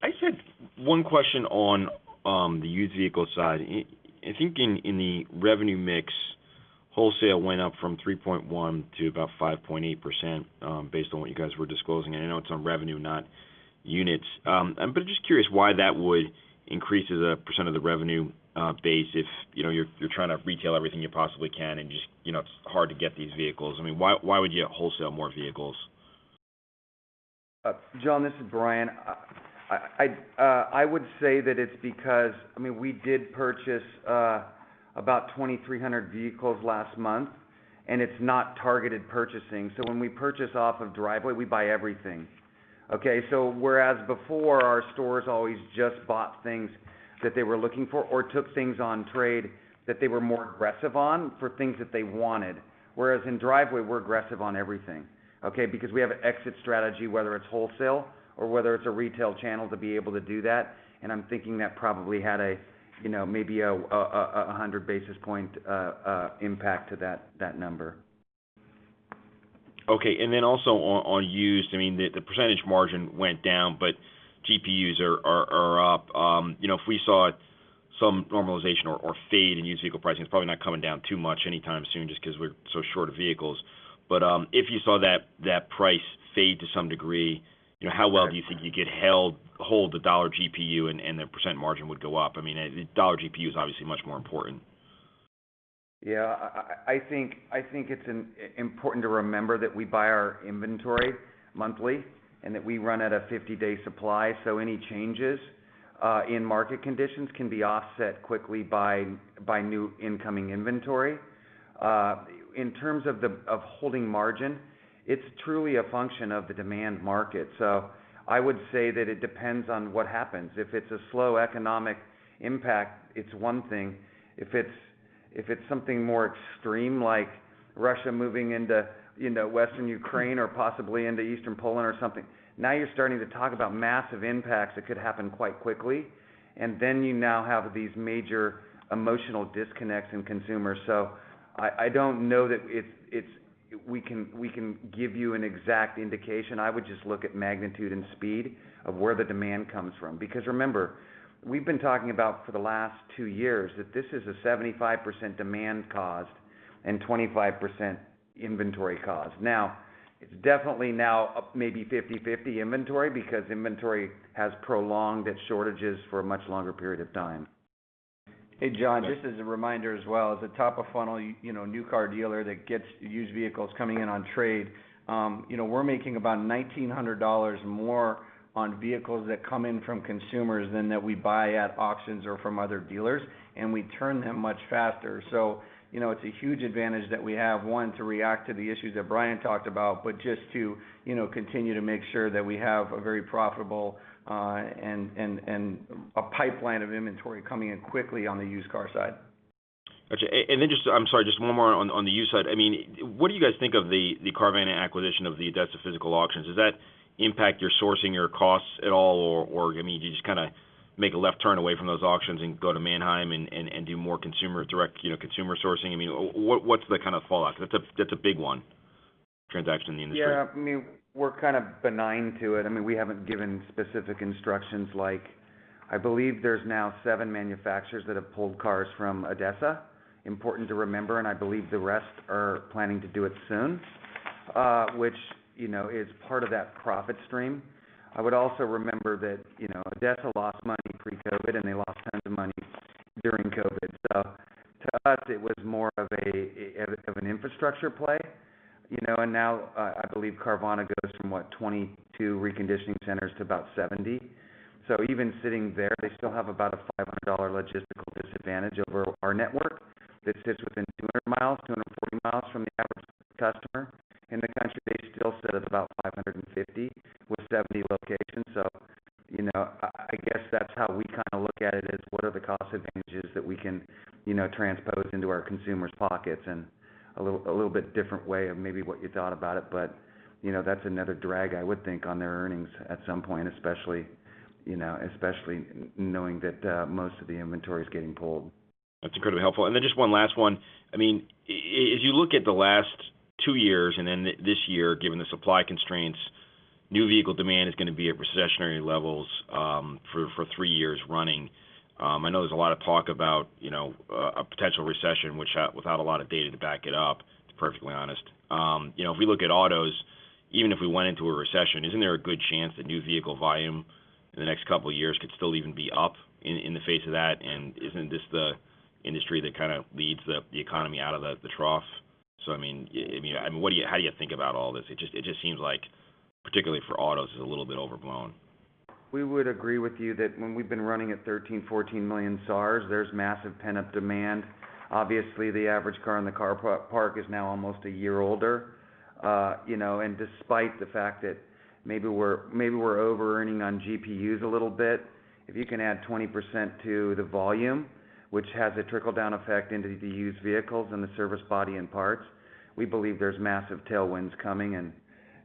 J: I just had one question on the used vehicle side. I think in the revenue mix, wholesale went up from 3.1% to about 5.8%, based on what you guys were disclosing, and I know it's on revenue, not units. I'm just curious why that would increase as a % of the revenue base if, you know, you're trying to retail everything you possibly can and just, you know, it's hard to get these vehicles. I mean, why would you wholesale more vehicles?
C: John, this is Bryan. I would say that it's because, I mean, we did purchase about 2,300 vehicles last month, and it's not targeted purchasing. When we purchase off of Driveway, we buy everything. Okay? Whereas before, our stores always just bought things that they were looking for or took things on trade that they were more aggressive on for things that they wanted, whereas in Driveway, we're aggressive on everything, okay, because we have an exit strategy, whether it's wholesale or whether it's a retail channel to be able to do that. I'm thinking that probably had a, you know, maybe a 100 basis point impact to that number.
J: Okay. also on used, I mean, the percentage margin went down, but GPUs are up. you know, if we saw some normalization or fade in used vehicle pricing, it's probably not coming down too much anytime soon just 'cause we're so short of vehicles. if you saw that price fade to some degree, you know, how well do you think you could hold the dollar GPU and the percent margin would go up? I mean, the dollar GPU is obviously much more important.
C: Yeah. I think it's important to remember that we buy our inventory monthly and that we run at a 50-day supply. Any changes in market conditions can be offset quickly by new incoming inventory. In terms of holding margin, it's truly a function of the demand market. I would say that it depends on what happens. If it's a slow economic impact, it's one thing. If it's something more extreme like Russia moving into, you know, western Ukraine or possibly into eastern Poland or something, now you're starting to talk about massive impacts that could happen quite quickly. You now have these major emotional disconnects in consumers. I don't know that we can give you an exact indication. I would just look at magnitude and speed of where the demand comes from. Because remember, we've been talking about for the last two years that this is a 75% demand cost and 25% inventory cost. Now, it's definitely now a maybe 50/50 inventory because inventory has prolonged its shortages for a much longer period of time.
E: Hey, John, this is a reminder as well. As a top of funnel, you know, new car dealer that gets used vehicles coming in on trade, you know, we're making about $1,900 more on vehicles that come in from consumers than that we buy at auctions or from other dealers, and we turn them much faster. You know, it's a huge advantage that we have, one, to react to the issues that Bryan talked about, but just to, you know, continue to make sure that we have a very profitable and a pipeline of inventory coming in quickly on the used car side.
J: I'm sorry, just one more on the used side. I mean, what do you guys think of the Carvana acquisition of the ADESA Physical Auctions? Does that impact your sourcing, your costs at all, or I mean, do you just kinda make a left turn away from those auctions and go to Manheim and do more consumer direct, you know, consumer sourcing? I mean, what's the kinda fallout? That's a big one transaction in the industry.
C: Yeah. I mean, we're kinda benign to it. I mean, we haven't given specific instructions like I believe there's now seven manufacturers that have pulled cars from ADESA. Important to remember, and I believe the rest are planning to do it soon, which, you know, is part of that profit stream. I would also remember that, you know, ADESA lost money pre-COVID, and they lost tons of money during COVID. So to us, it was more of an infrastructure play, you know. Now, I believe Carvana goes from, what, 22 reconditioning centers to about 70. So even sitting there, they still have about a $500 logistical disadvantage over our network that sits within 200 miles, 240 miles from the average customer in the country. They still sit at about $550 with 70 locations. you know, I guess that's how we kinda look at it, is what are the cost advantages that we can, you know, transpose into our consumers' pockets, and a little bit different way of maybe what you thought about it. you know, that's another drag I would think on their earnings at some point, especially knowing that most of the inventory is getting pulled.
J: That's incredibly helpful. Then just one last one. I mean, as you look at the last two years and then this year, given the supply constraints, new vehicle demand is gonna be at recessionary levels for three years running. I know there's a lot of talk about, you know, a potential recession, which, without a lot of data to back it up, to be perfectly honest. You know, if we look at autos, even if we went into a recession, isn't there a good chance that new vehicle volume in the next couple of years could still even be up in the face of that? Isn't this the industry that kinda leads the economy out of the trough? I mean, what do you, how do you think about all this? It just seems like, particularly for autos, is a little bit overblown.
E: We would agree with you that when we've been running at 13-14 million SARs, there's massive pent-up demand. Obviously, the average car in the car park is now almost a year older. You know, and despite the fact that maybe we're overearning on GPUs a little bit, if you can add 20% to the volume, which has a trickle-down effect into the used vehicles and the service body and parts, we believe there's massive tailwinds coming and,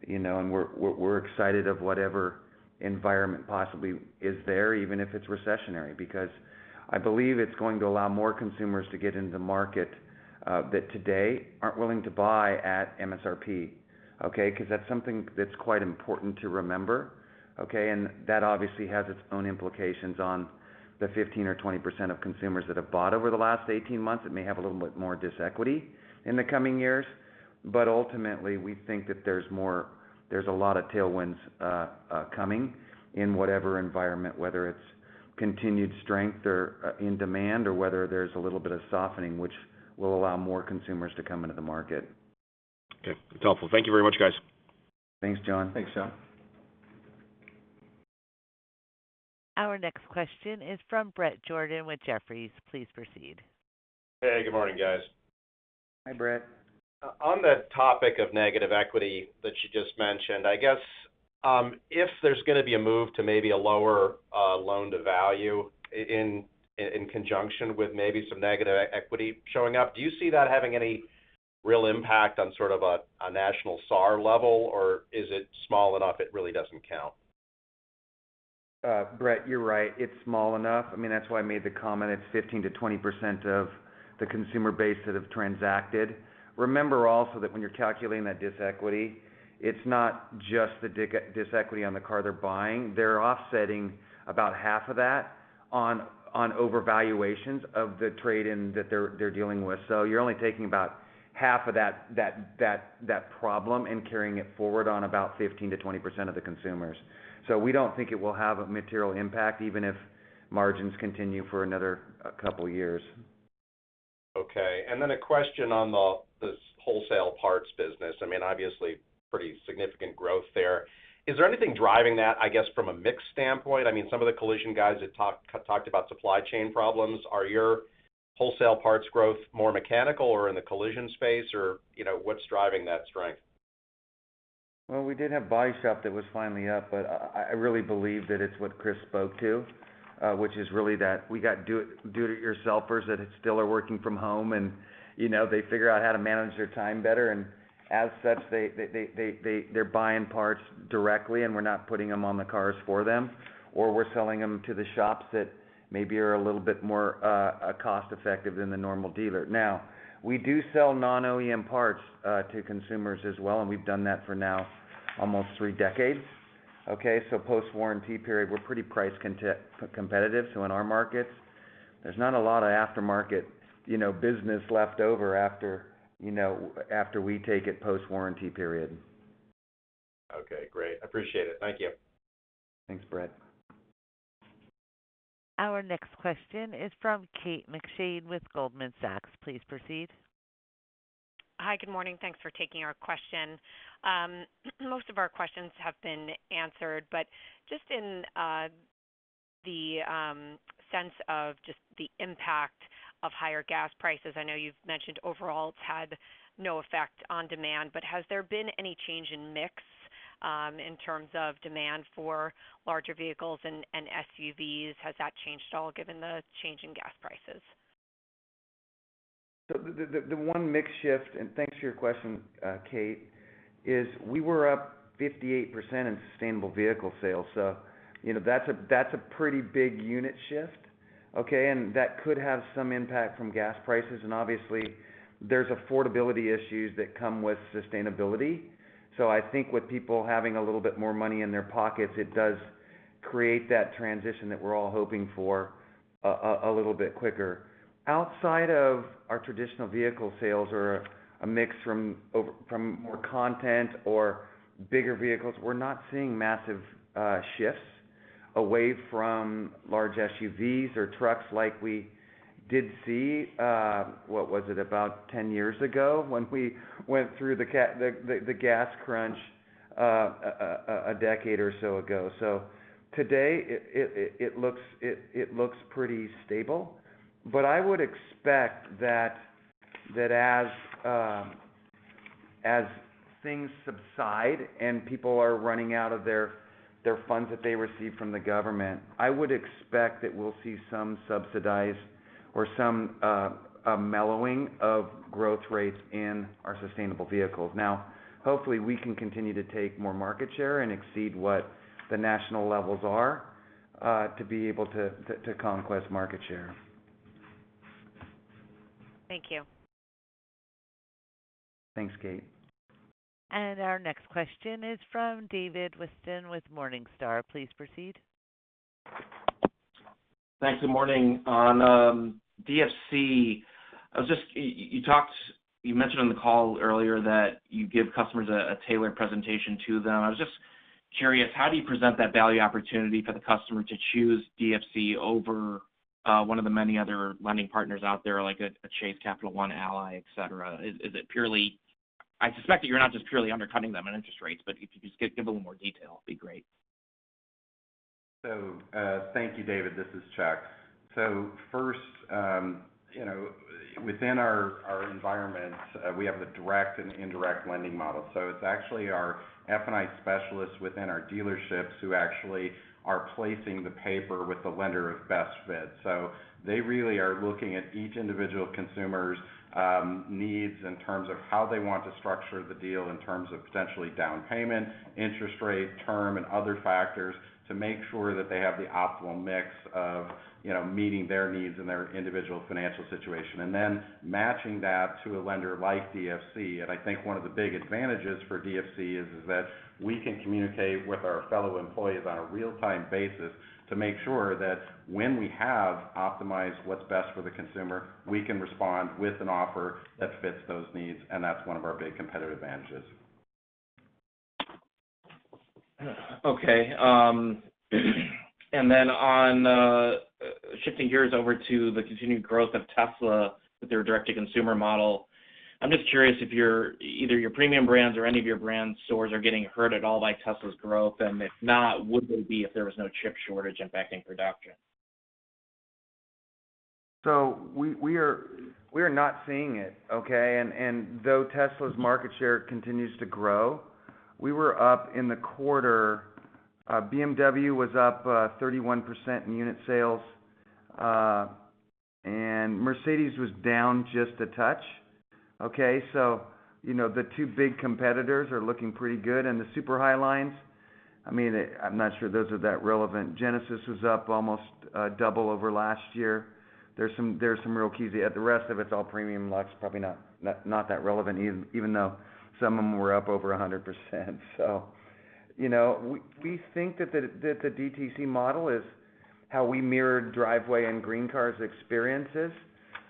E: you know, and we're excited of whatever environment possibly is there, even if it's recessionary. Because I believe it's going to allow more consumers to get into the market, that today aren't willing to buy at MSRP, okay? 'Cause that's something that's quite important to remember, okay? That obviously has its own implications on the 15% or 20% of consumers that have bought over the last 18 months, that may have a little bit more disequity in the coming years. Ultimately, we think that there's a lot of tailwinds coming in whatever environment, whether it's continued strength or in demand or whether there's a little bit of softening, which will allow more consumers to come into the market.
J: Okay. It's helpful. Thank you very much, guys.
C: Thanks, John.
A: Our next question is from Bret Jordan with Jefferies. Please proceed.
K: Hey, good morning, guys.
C: Hi, Bret.
K: On the topic of negative equity that you just mentioned, I guess, if there's gonna be a move to maybe a lower loan-to-value in conjunction with maybe some negative equity showing up, do you see that having any real impact on sort of a national SAR level, or is it small enough it really doesn't count?
C: Brett, you're right. It's small enough. I mean, that's why I made the comment. It's 15%-20% of the consumer base that have transacted. Remember also that when you're calculating that this equity, it's not just this equity on the car they're buying. They're offsetting about half of that on overvaluations of the trade-in that they're dealing with. You're only taking about half of that problem and carrying it forward on about 15%-20% of the consumers. We don't think it will have a material impact, even if margins continue for another couple years.
K: Okay. A question on the, this wholesale parts business. I mean, obviously pretty significant growth there. Is there anything driving that, I guess, from a mix standpoint? I mean, some of the collision guys had talked about supply chain problems. Are your wholesale parts growth more mechanical or in the collision space or, you know, what's driving that strength?
C: Well, we did have body shop that was finally up, but I really believe that it's what Chris spoke to, which is really that we got do-it-yourselfers that still are working from home and, you know, they figure out how to manage their time better. As such, they're buying parts directly, and we're not putting them on the cars for them, or we're selling them to the shops that maybe are a little bit more cost-effective than the normal dealer. Now, we do sell non-OEM parts to consumers as well, and we've done that for now almost three decades, okay. Post-warranty period, we're pretty price competitive. In our markets, there's not a lot of aftermarket, you know, business left over after, you know, after we take it post-warranty period.
K: Okay, great. I appreciate it. Thank you.
C: Thanks, Bret.
A: Our next question is from Kate McShane with Goldman Sachs. Please proceed.
L: Hi. Good morning. Thanks for taking our question. Most of our questions have been answered, but just in the sense of just the impact of higher gas prices, I know you've mentioned overall it's had no effect on demand, but has there been any change in mix, in terms of demand for larger vehicles and SUVs? Has that changed at all given the change in gas prices?
C: The only mix shift, and thanks for your question, Kate, is we were up 58% in sustainable vehicle sales. You know, that's a pretty big unit shift, okay? That could have some impact from gas prices. Obviously there's affordability issues that come with sustainability. I think with people having a little bit more money in their pockets, it does create that transition that we're all hoping for a little bit quicker. Outside of our traditional vehicle sales or a mix from more conventional or bigger vehicles, we're not seeing massive shifts away from large SUVs or trucks like we did see what was it about 10 years ago when we went through the gas crunch a decade or so ago. Today it looks pretty stable. I would expect that as things subside and people are running out of their funds that they receive from the government, I would expect that we'll see some subsidized or some a mellowing of growth rates in our sustainable vehicles. Now, hopefully, we can continue to take more market share and exceed what the national levels are to be able to conquest market share.
L: Thank you.
C: Thanks, Kate.
A: Our next question is from David Whiston with Morningstar. Please proceed.
M: Thanks. Good morning. On DFC, you mentioned on the call earlier that you give customers a tailored presentation to them. I was just curious, how do you present that value opportunity for the customer to choose DFC over one of the many other lending partners out there like a Chase, Capital One, Ally, et cetera? Is it purely? I suspect that you're not just purely undercutting them in interest rates, but if you could just give a little more detail, it'd be great.
D: Thank you, David. This is Chuck. First, you know, within our environment, we have the direct and indirect lending model. It's actually our F&I specialists within our dealerships who actually are placing the paper with the lender of best fit. They really are looking at each individual consumer's needs in terms of how they want to structure the deal in terms of potentially down payment, interest rate, term, and other factors to make sure that they have the optimal mix of, you know, meeting their needs and their individual financial situation, and then matching that to a lender like DFC. I think one of the big advantages for DFC is that we can communicate with our fellow employees on a real-time basis to make sure that when we have optimized what's best for the consumer, we can respond with an offer that fits those needs, and that's one of our big competitive advantages.
M: Okay. Shifting gears over to the continued growth of Tesla with their direct-to-consumer model, I'm just curious if your either your premium brands or any of your brand stores are getting hurt at all by Tesla's growth. If not, would they be if there was no chip shortage impacting production?
C: We are not seeing it, okay? Though Tesla's market share continues to grow, we were up in the quarter. BMW was up 31% in unit sales, and Mercedes-Benz was down just a touch, okay? You know, the two big competitors are looking pretty good. The super high lines, I mean, I'm not sure those are that relevant. Genesis was up almost double over last year. There's some real keys. The rest of it's all premium lux, probably not that relevant even though some of them were up over 100%. You know, we think that the DTC model is how we mirrored Driveway and GreenCars' experiences,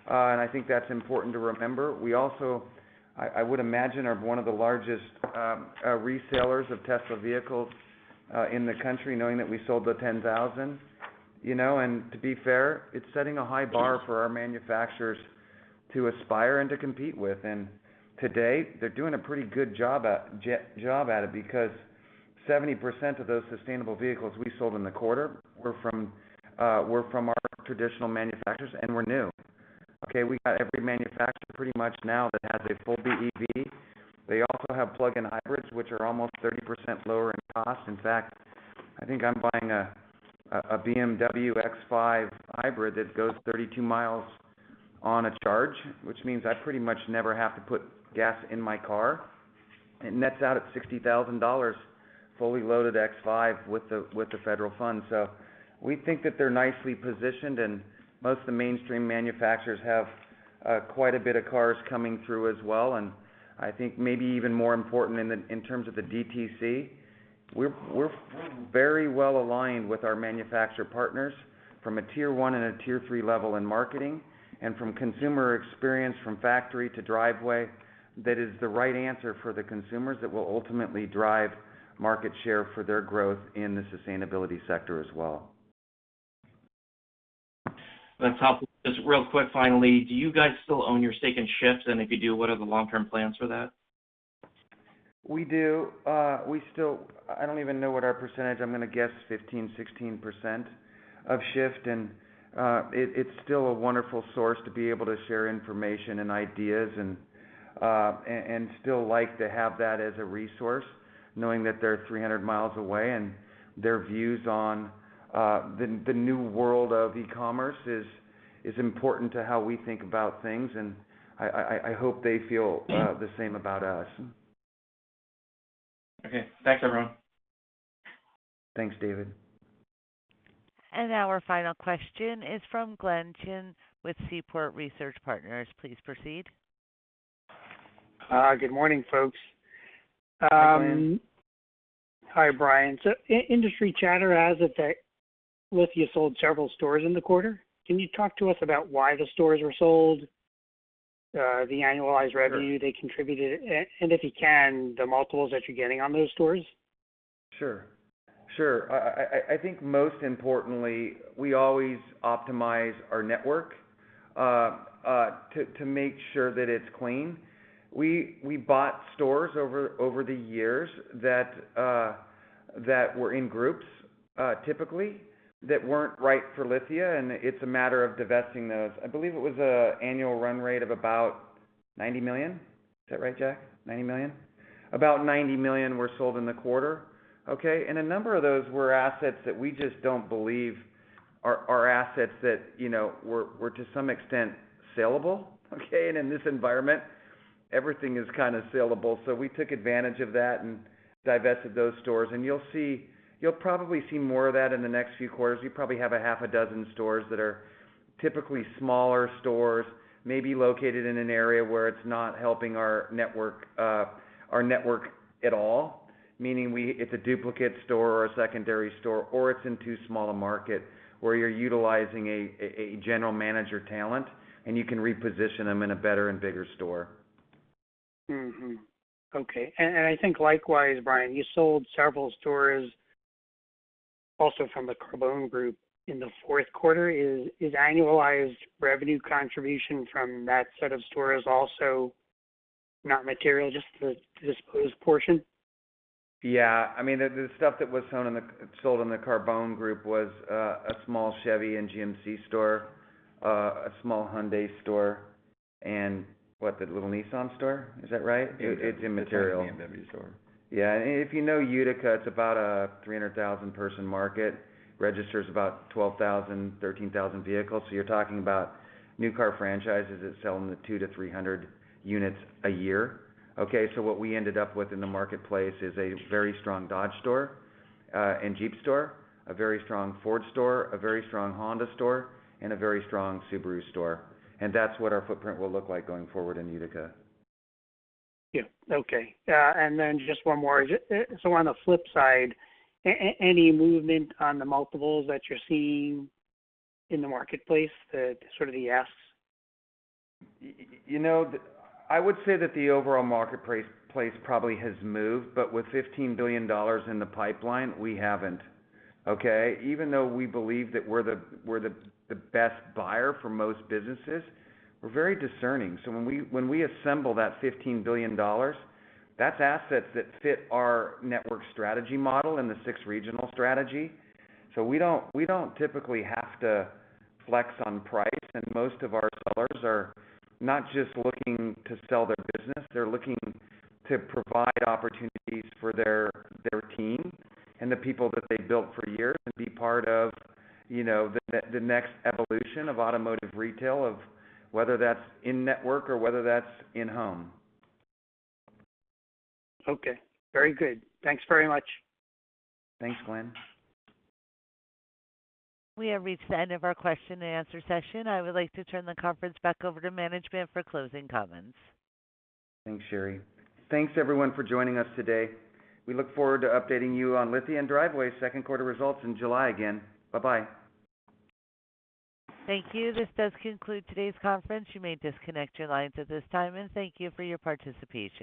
C: and I think that's important to remember. We also, I would imagine, are one of the largest resellers of Tesla vehicles in the country, knowing that we sold 10,000. You know, to be fair, it's setting a high bar for our manufacturers to aspire and to compete with. Today, they're doing a pretty good job at it because 70% of those sustainable vehicles we sold in the quarter were from our traditional manufacturers and were new. Okay. We got every manufacturer pretty much now that has a full BEV. They also have plug-in hybrids, which are almost 30% lower in cost. In fact, I think I'm buying a BMW X5 hybrid that goes 32 miles on a charge, which means I pretty much never have to put gas in my car, and nets out at $60,000, fully loaded X5 with the federal funds. We think that they're nicely positioned, and most of the mainstream manufacturers have quite a bit of cars coming through as well. I think maybe even more important in terms of the DTC. We're very well aligned with our manufacturer partners from a tier one and a tier three level in marketing and from consumer experience from factory to Driveway that is the right answer for the consumers that will ultimately drive market share for their growth in the sustainability sector as well.
M: Let's hop just real quick finally, do you guys still own your stake in Shift? If you do, what are the long-term plans for that?
C: We do. We still. I don't even know what our percentage. I'm gonna guess 15%-16% of Shift. It's still a wonderful source to be able to share information and ideas and still like to have that as a resource knowing that they're 300 miles away and their views on the new world of e-commerce is important to how we think about things. I hope they feel the same about us.
M: Okay. Thanks, everyone.
C: Thanks, David.
A: Now our final question is from Glenn Chin with Seaport Research Partners. Please proceed.
N: Hi. Good morning, folks.
C: Hi, Glenn.
N: Hi, Bryan. Industry chatter has it that Lithia sold several stores in the quarter. Can you talk to us about why the stores were sold, the annualized revenue-
C: Sure
N: they contributed, and if you can, the multiples that you're getting on those stores?
C: Sure. I think most importantly, we always optimize our network to make sure that it's clean. We bought stores over the years that were in groups, typically that weren't right for Lithia, and it's a matter of divesting those. I believe it was an annual run rate of about $90 million. Is that right, Chuck? $90 million? About $90 million were sold in the quarter, okay? A number of those were assets that we just don't believe are assets that, you know, were to some extent sellable, okay? In this environment, everything is kinda sellable. We took advantage of that and divested those stores. You'll see, you'll probably see more of that in the next few quarters. We probably have a half a dozen stores that are typically smaller stores, maybe located in an area where it's not helping our network at all. Meaning it's a duplicate store or a secondary store, or it's in too small a market where you're utilizing a general manager talent and you can reposition them in a better and bigger store.
N: I think likewise, Bryan, you sold several stores also from the Carbone Auto Group in the fourth quarter. Is annualized revenue contribution from that set of stores also not material just to the disposed portion?
C: Yeah. I mean, the stuff that was sold in the Carbone Group was a small Chevy and GMC store, a small Hyundai store, and what? The little Nissan store? Is that right?
M: Yeah.
C: It's immaterial.
M: It's a BMW store.
C: Yeah. If you know Utica, it's about a 300,000-person market, registers about 12,000, 13,000 vehicles. You're talking about new car franchises that's selling the 200-300 units a year, okay? What we ended up with in the marketplace is a very strong Dodge store, and Jeep store, a very strong Ford store, a very strong Honda store, and a very strong Subaru store. That's what our footprint will look like going forward in Utica.
N: Yeah. Okay. Then just one more. On the flip side, any movement on the multiples that you're seeing in the marketplace that sort of the asks?
C: You know, I would say that the overall marketplace probably has moved, but with $15 billion in the pipeline, we haven't, okay? Even though we believe that we're the best buyer for most businesses, we're very discerning. So when we assemble that $15 billion, that's assets that fit our network strategy model and the six regional strategy. So we don't typically have to flex on price, and most of our sellers are not just looking to sell their business, they're looking to provide opportunities for their team and the people that they built for years and be part of, you know, the next evolution of automotive retail, of whether that's in network or whether that's in-home.
N: Okay. Very good. Thanks very much.
C: Thanks, Glenn.
A: We have reached the end of our question and answer session. I would like to turn the conference back over to management for closing comments.
C: Thanks, Sherry. Thanks everyone for joining us today. We look forward to updating you on Lithia & Driveway second quarter results in July again. Bye-bye.
A: Thank you. This does conclude today's conference. You may disconnect your lines at this time, and thank you for your participation.